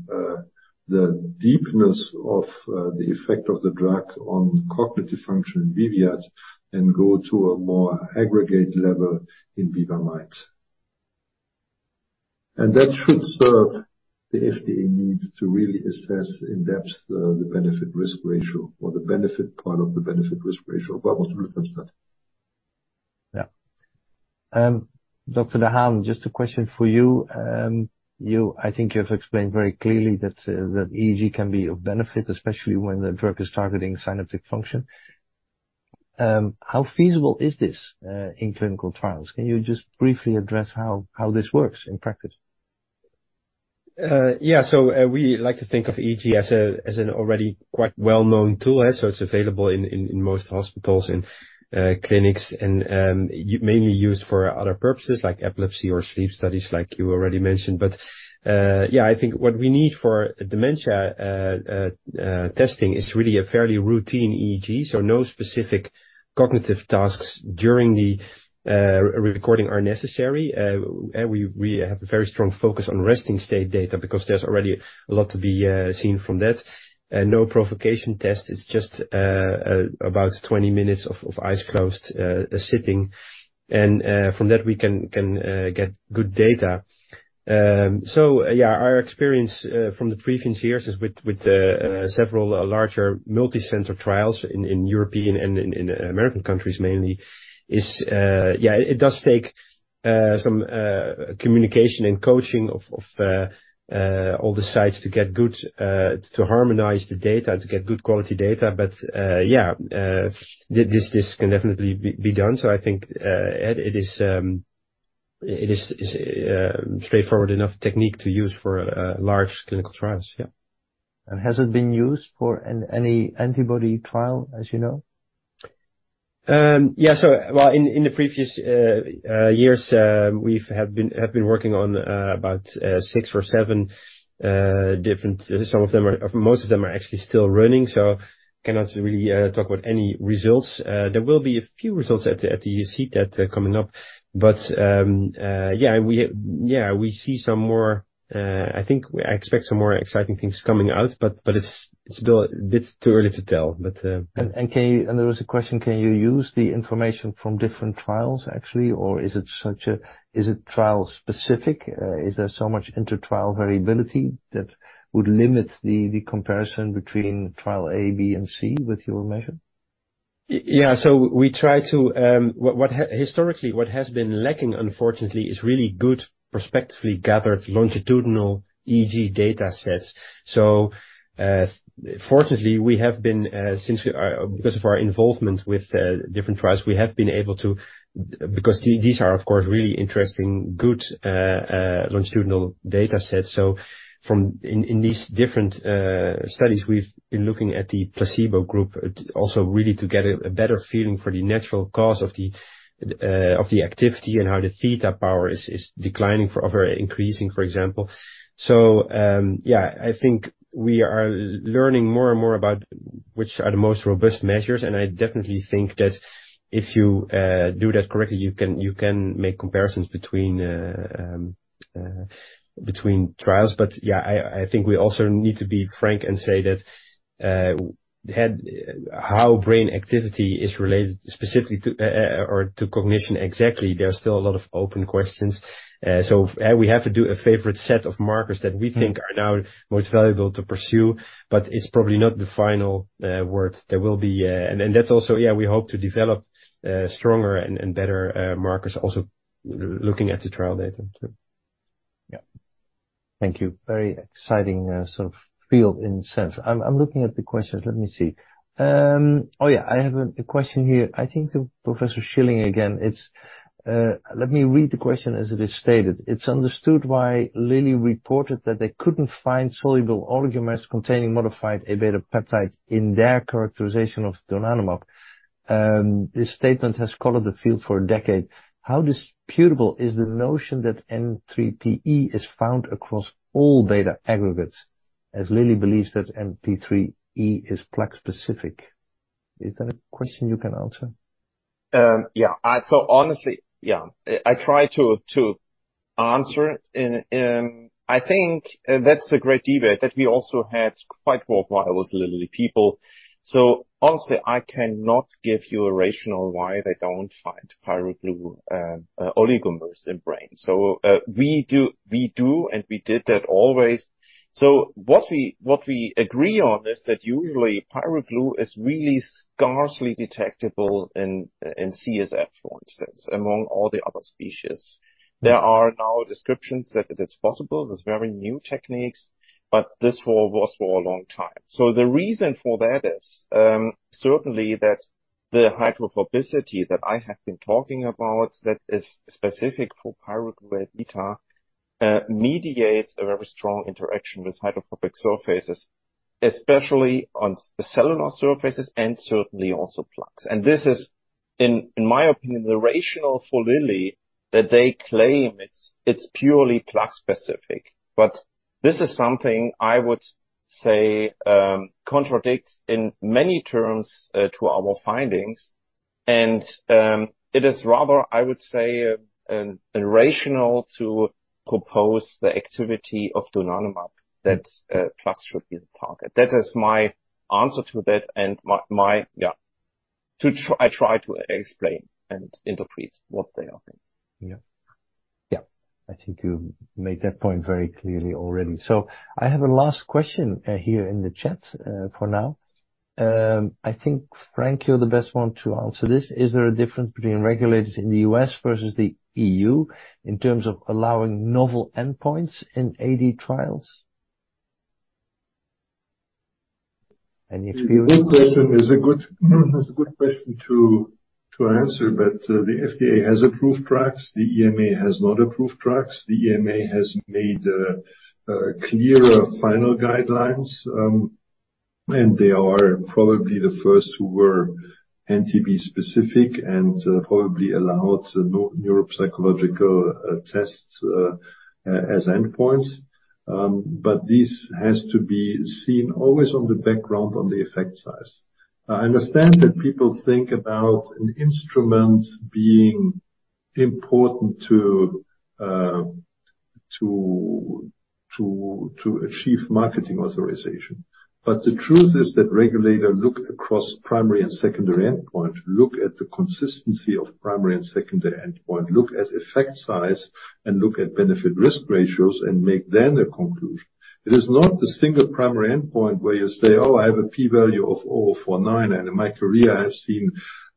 the deepness of the effect of the drug on cognitive function in VIVIAD, and go to a more aggregate level in VIVA-MIND. That should serve the FDA needs to really assess in depth the benefit-risk ratio or the benefit part of the benefit-risk ratio, but also from start. Yeah. Dr. de Haan, just a question for you. I think you have explained very clearly that EEG can be of benefit, especially when the drug is targeting synaptic function. How feasible is this in clinical trials? Can you just briefly address how this works in practice? Yeah. We like to think of EEG as an already quite well-known tool, so it's available in most hospitals and clinics, and mainly used for other purposes like epilepsy or sleep studies, like you already mentioned. But yeah, I think what we need for dementia testing is really a fairly routine EEG, so no specific cognitive tasks during the recording are necessary. We have a very strong focus on resting state data because there's already a lot to be seen from that. No provocation test. It's just about 20 minutes of eyes closed sitting, and from that, we can get good data. So yeah, our experience from the previous years is with several larger multicenter trials in European and American countries mainly. Yeah, it does take some communication and coaching of all the sites to get good, to harmonize the data, to get good quality data. But yeah, this can definitely be done. So I think it is a straightforward enough technique to use for large clinical trials. Yeah. Has it been used for any antibody trial, as you know? Yeah. So, well, in the previous years, we've been working on about 6 or 7 different... Some of them are. Most of them are actually still running, so cannot really talk about any results. There will be a few results at the CTAD coming up. But yeah, we see some more. I think I expect some more exciting things coming out, but it's still a bit too early to tell. But. And there was a question: can you use the information from different trials actually, or is it such a—is it trial-specific? Is there so much intertrial variability that would limit the comparison between trial A, B, and C with your measure? Yeah. So we try to... Historically, what has been lacking, unfortunately, is really good prospectively gathered longitudinal EEG datasets. So, fortunately, we have been, since we are, because of our involvement with different trials, we have been able to... Because these are, of course, really interesting, good longitudinal datasets. So from these different studies, we've been looking at the placebo group also really to get a better feeling for the natural course of the activity and how the theta power is declining or increasing, for example. So, yeah, I think we are learning more and more about which are the most robust measures, and I definitely think that if you do that correctly, you can make comparisons between trials. But yeah, I think we also need to be frank and say that how brain activity is related specifically to or to cognition exactly, there are still a lot of open questions. So we have to do a favored set of markers that we think- Mm. are now most valuable to pursue, but it's probably not the final word. There will be... And that's also, yeah, we hope to develop stronger and better markers, also looking at the trial data, so. Yeah. Thank you. Very exciting, sort of field in a sense. I'm looking at the questions. Let me see. Oh, yeah, I have a question here. I think to Professor Schilling again. It's, let me read the question as it is stated. It's understood why Lilly reported that they couldn't find soluble oligomers containing modified A-beta peptides in their characterization of donanemab. This statement has colored the field for a decade. How disputable is the notion that N3pE is found across all beta aggregates, as Lilly believes that N3pE is plaque-specific? Is that a question you can answer? Yeah. Honestly, yeah. I try to answer it, and I think that's a great debate that we also had quite well while I was Lilly people. So honestly, I cannot give you a rationale why they don't find pyroGlu oligomers in brain. So we do, and we did that always. So what we agree on is that usually pyroGlu is really scarcely detectable in CSF, for instance, among all the other species. There are now descriptions that it is possible. There are very new techniques, but this was for a long time. So the reason for that is certainly that the hydrophobicity that I have been talking about that is specific for pyroGlu beta mediates a very strong interaction with hydrophobic surfaces, especially on the cellular surfaces and certainly also plaques. And this is, in my opinion, the rationale for Lilly, that they claim it's purely plaque-specific. But this is something I would say contradicts in many terms to our findings. And it is rather, I would say, a rationale to propose the activity of donanemab, that plaque should be the target. That is my answer to that and my... Yeah, I try to explain and interpret what they are doing. Yeah. Yeah. I think you made that point very clearly already. So I have a last question here in the chat for now. I think, Frank, you're the best one to answer this. Is there a difference between regulators in the U.S. versus the E.U. in terms of allowing novel endpoints in AD trials? Any experience? Good question. It's a good, it's a good question to answer, but the FDA has approved drugs. The EMA has not approved drugs. The EMA has made a clearer final guidelines, and they are probably the first who were NTB specific and probably allowed no neuropsychological tests as endpoints. But this has to be seen always on the background, on the effect size. I understand that people think about an instrument being important to achieve marketing authorization. But the truth is that regulators look across primary and secondary endpoint, look at the consistency of primary and secondary endpoint, look at effect size, and look at benefit risk ratios and make then a conclusion. It is not the single primary endpoint where you say, "Oh, I have a P value of 0.049," and in my career, I've seen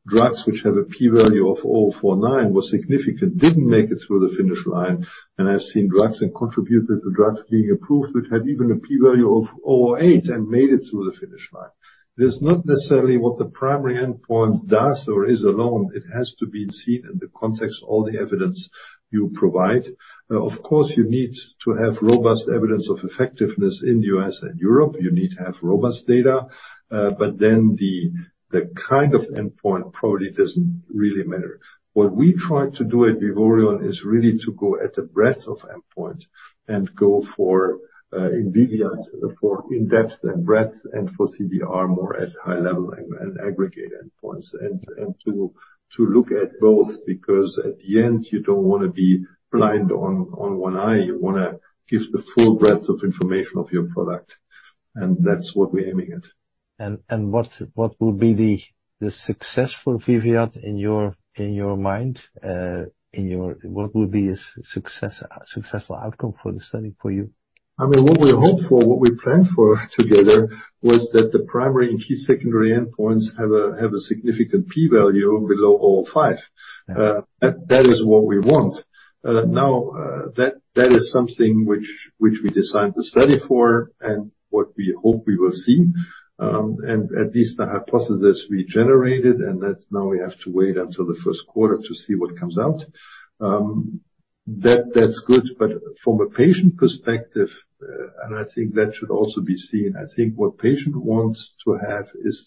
drugs which have a P value of 0.049 was significant, didn't make it through the finish line. And I've seen drugs and contributed to drugs being approved, which had even a P value of 0.08 and made it through the finish line. It is not necessarily what the primary endpoints does or is alone. It has to be seen in the context of all the evidence you provide. Of course, you need to have robust evidence of effectiveness in the U.S. and Europe. You need to have robust data, but then the, the kind of endpoint probably doesn't really matter. What we try to do at Vivoryon is really to go at the breadth of endpoint and go for, in VIVIAD, for in-depth and breadth and for CDR, more at high level and aggregate endpoints. And to look at both, because at the end, you don't wanna be blind on one eye. You wanna give the full breadth of information of your product, and that's what we're aiming at. What will be the successful VIVIAD in your mind? What would be a successful outcome for the study for you? I mean, what we hope for, what we planned for together, was that the primary and key secondary endpoints have a significant P value below 0.05. Yeah. That is what we want. Now, that is something which we designed the study for and what we hope we will see. At least the hypothesis we generated, and that now we have to wait until the Q1 to see what comes out. That is good, but from a patient perspective, and I think that should also be seen. I think what patient wants to have is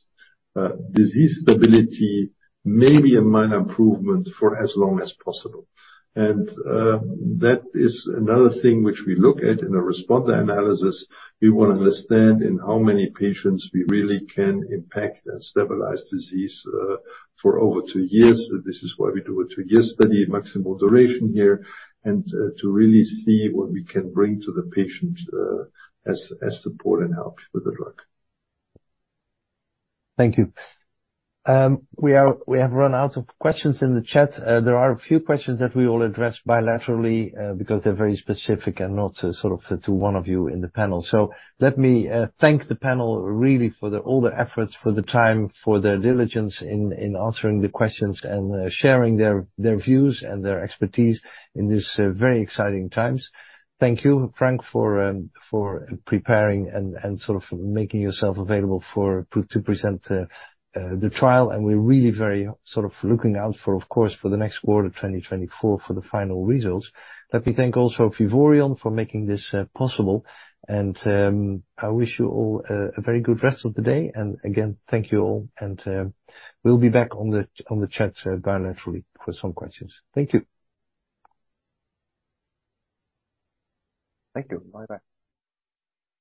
disease stability, maybe a minor improvement for as long as possible. That is another thing which we look at in a responder analysis. We want to understand in how many patients we really can impact and stabilize disease for over 2 years. This is why we do a two-year study, maximal duration here, and to really see what we can bring to the patient, as, as support and help with the drug. Thank you. We have run out of questions in the chat. There are a few questions that we will address bilaterally, because they're very specific and not sort of to one of you in the panel. So let me thank the panel, really, for all the efforts, for the time, for their diligence in answering the questions and sharing their views and their expertise in this very exciting times. Thank you, Frank, for preparing and sort of making yourself available to present the trial. And we're really very sort of looking out for, of course, for the next quarter, 2024, for the final results. Let me thank also Vivoryon for making this possible. I wish you all a very good rest of the day, and again, thank you all. We'll be back on the chat bilaterally for some questions. Thank you. Thank you. Bye-bye.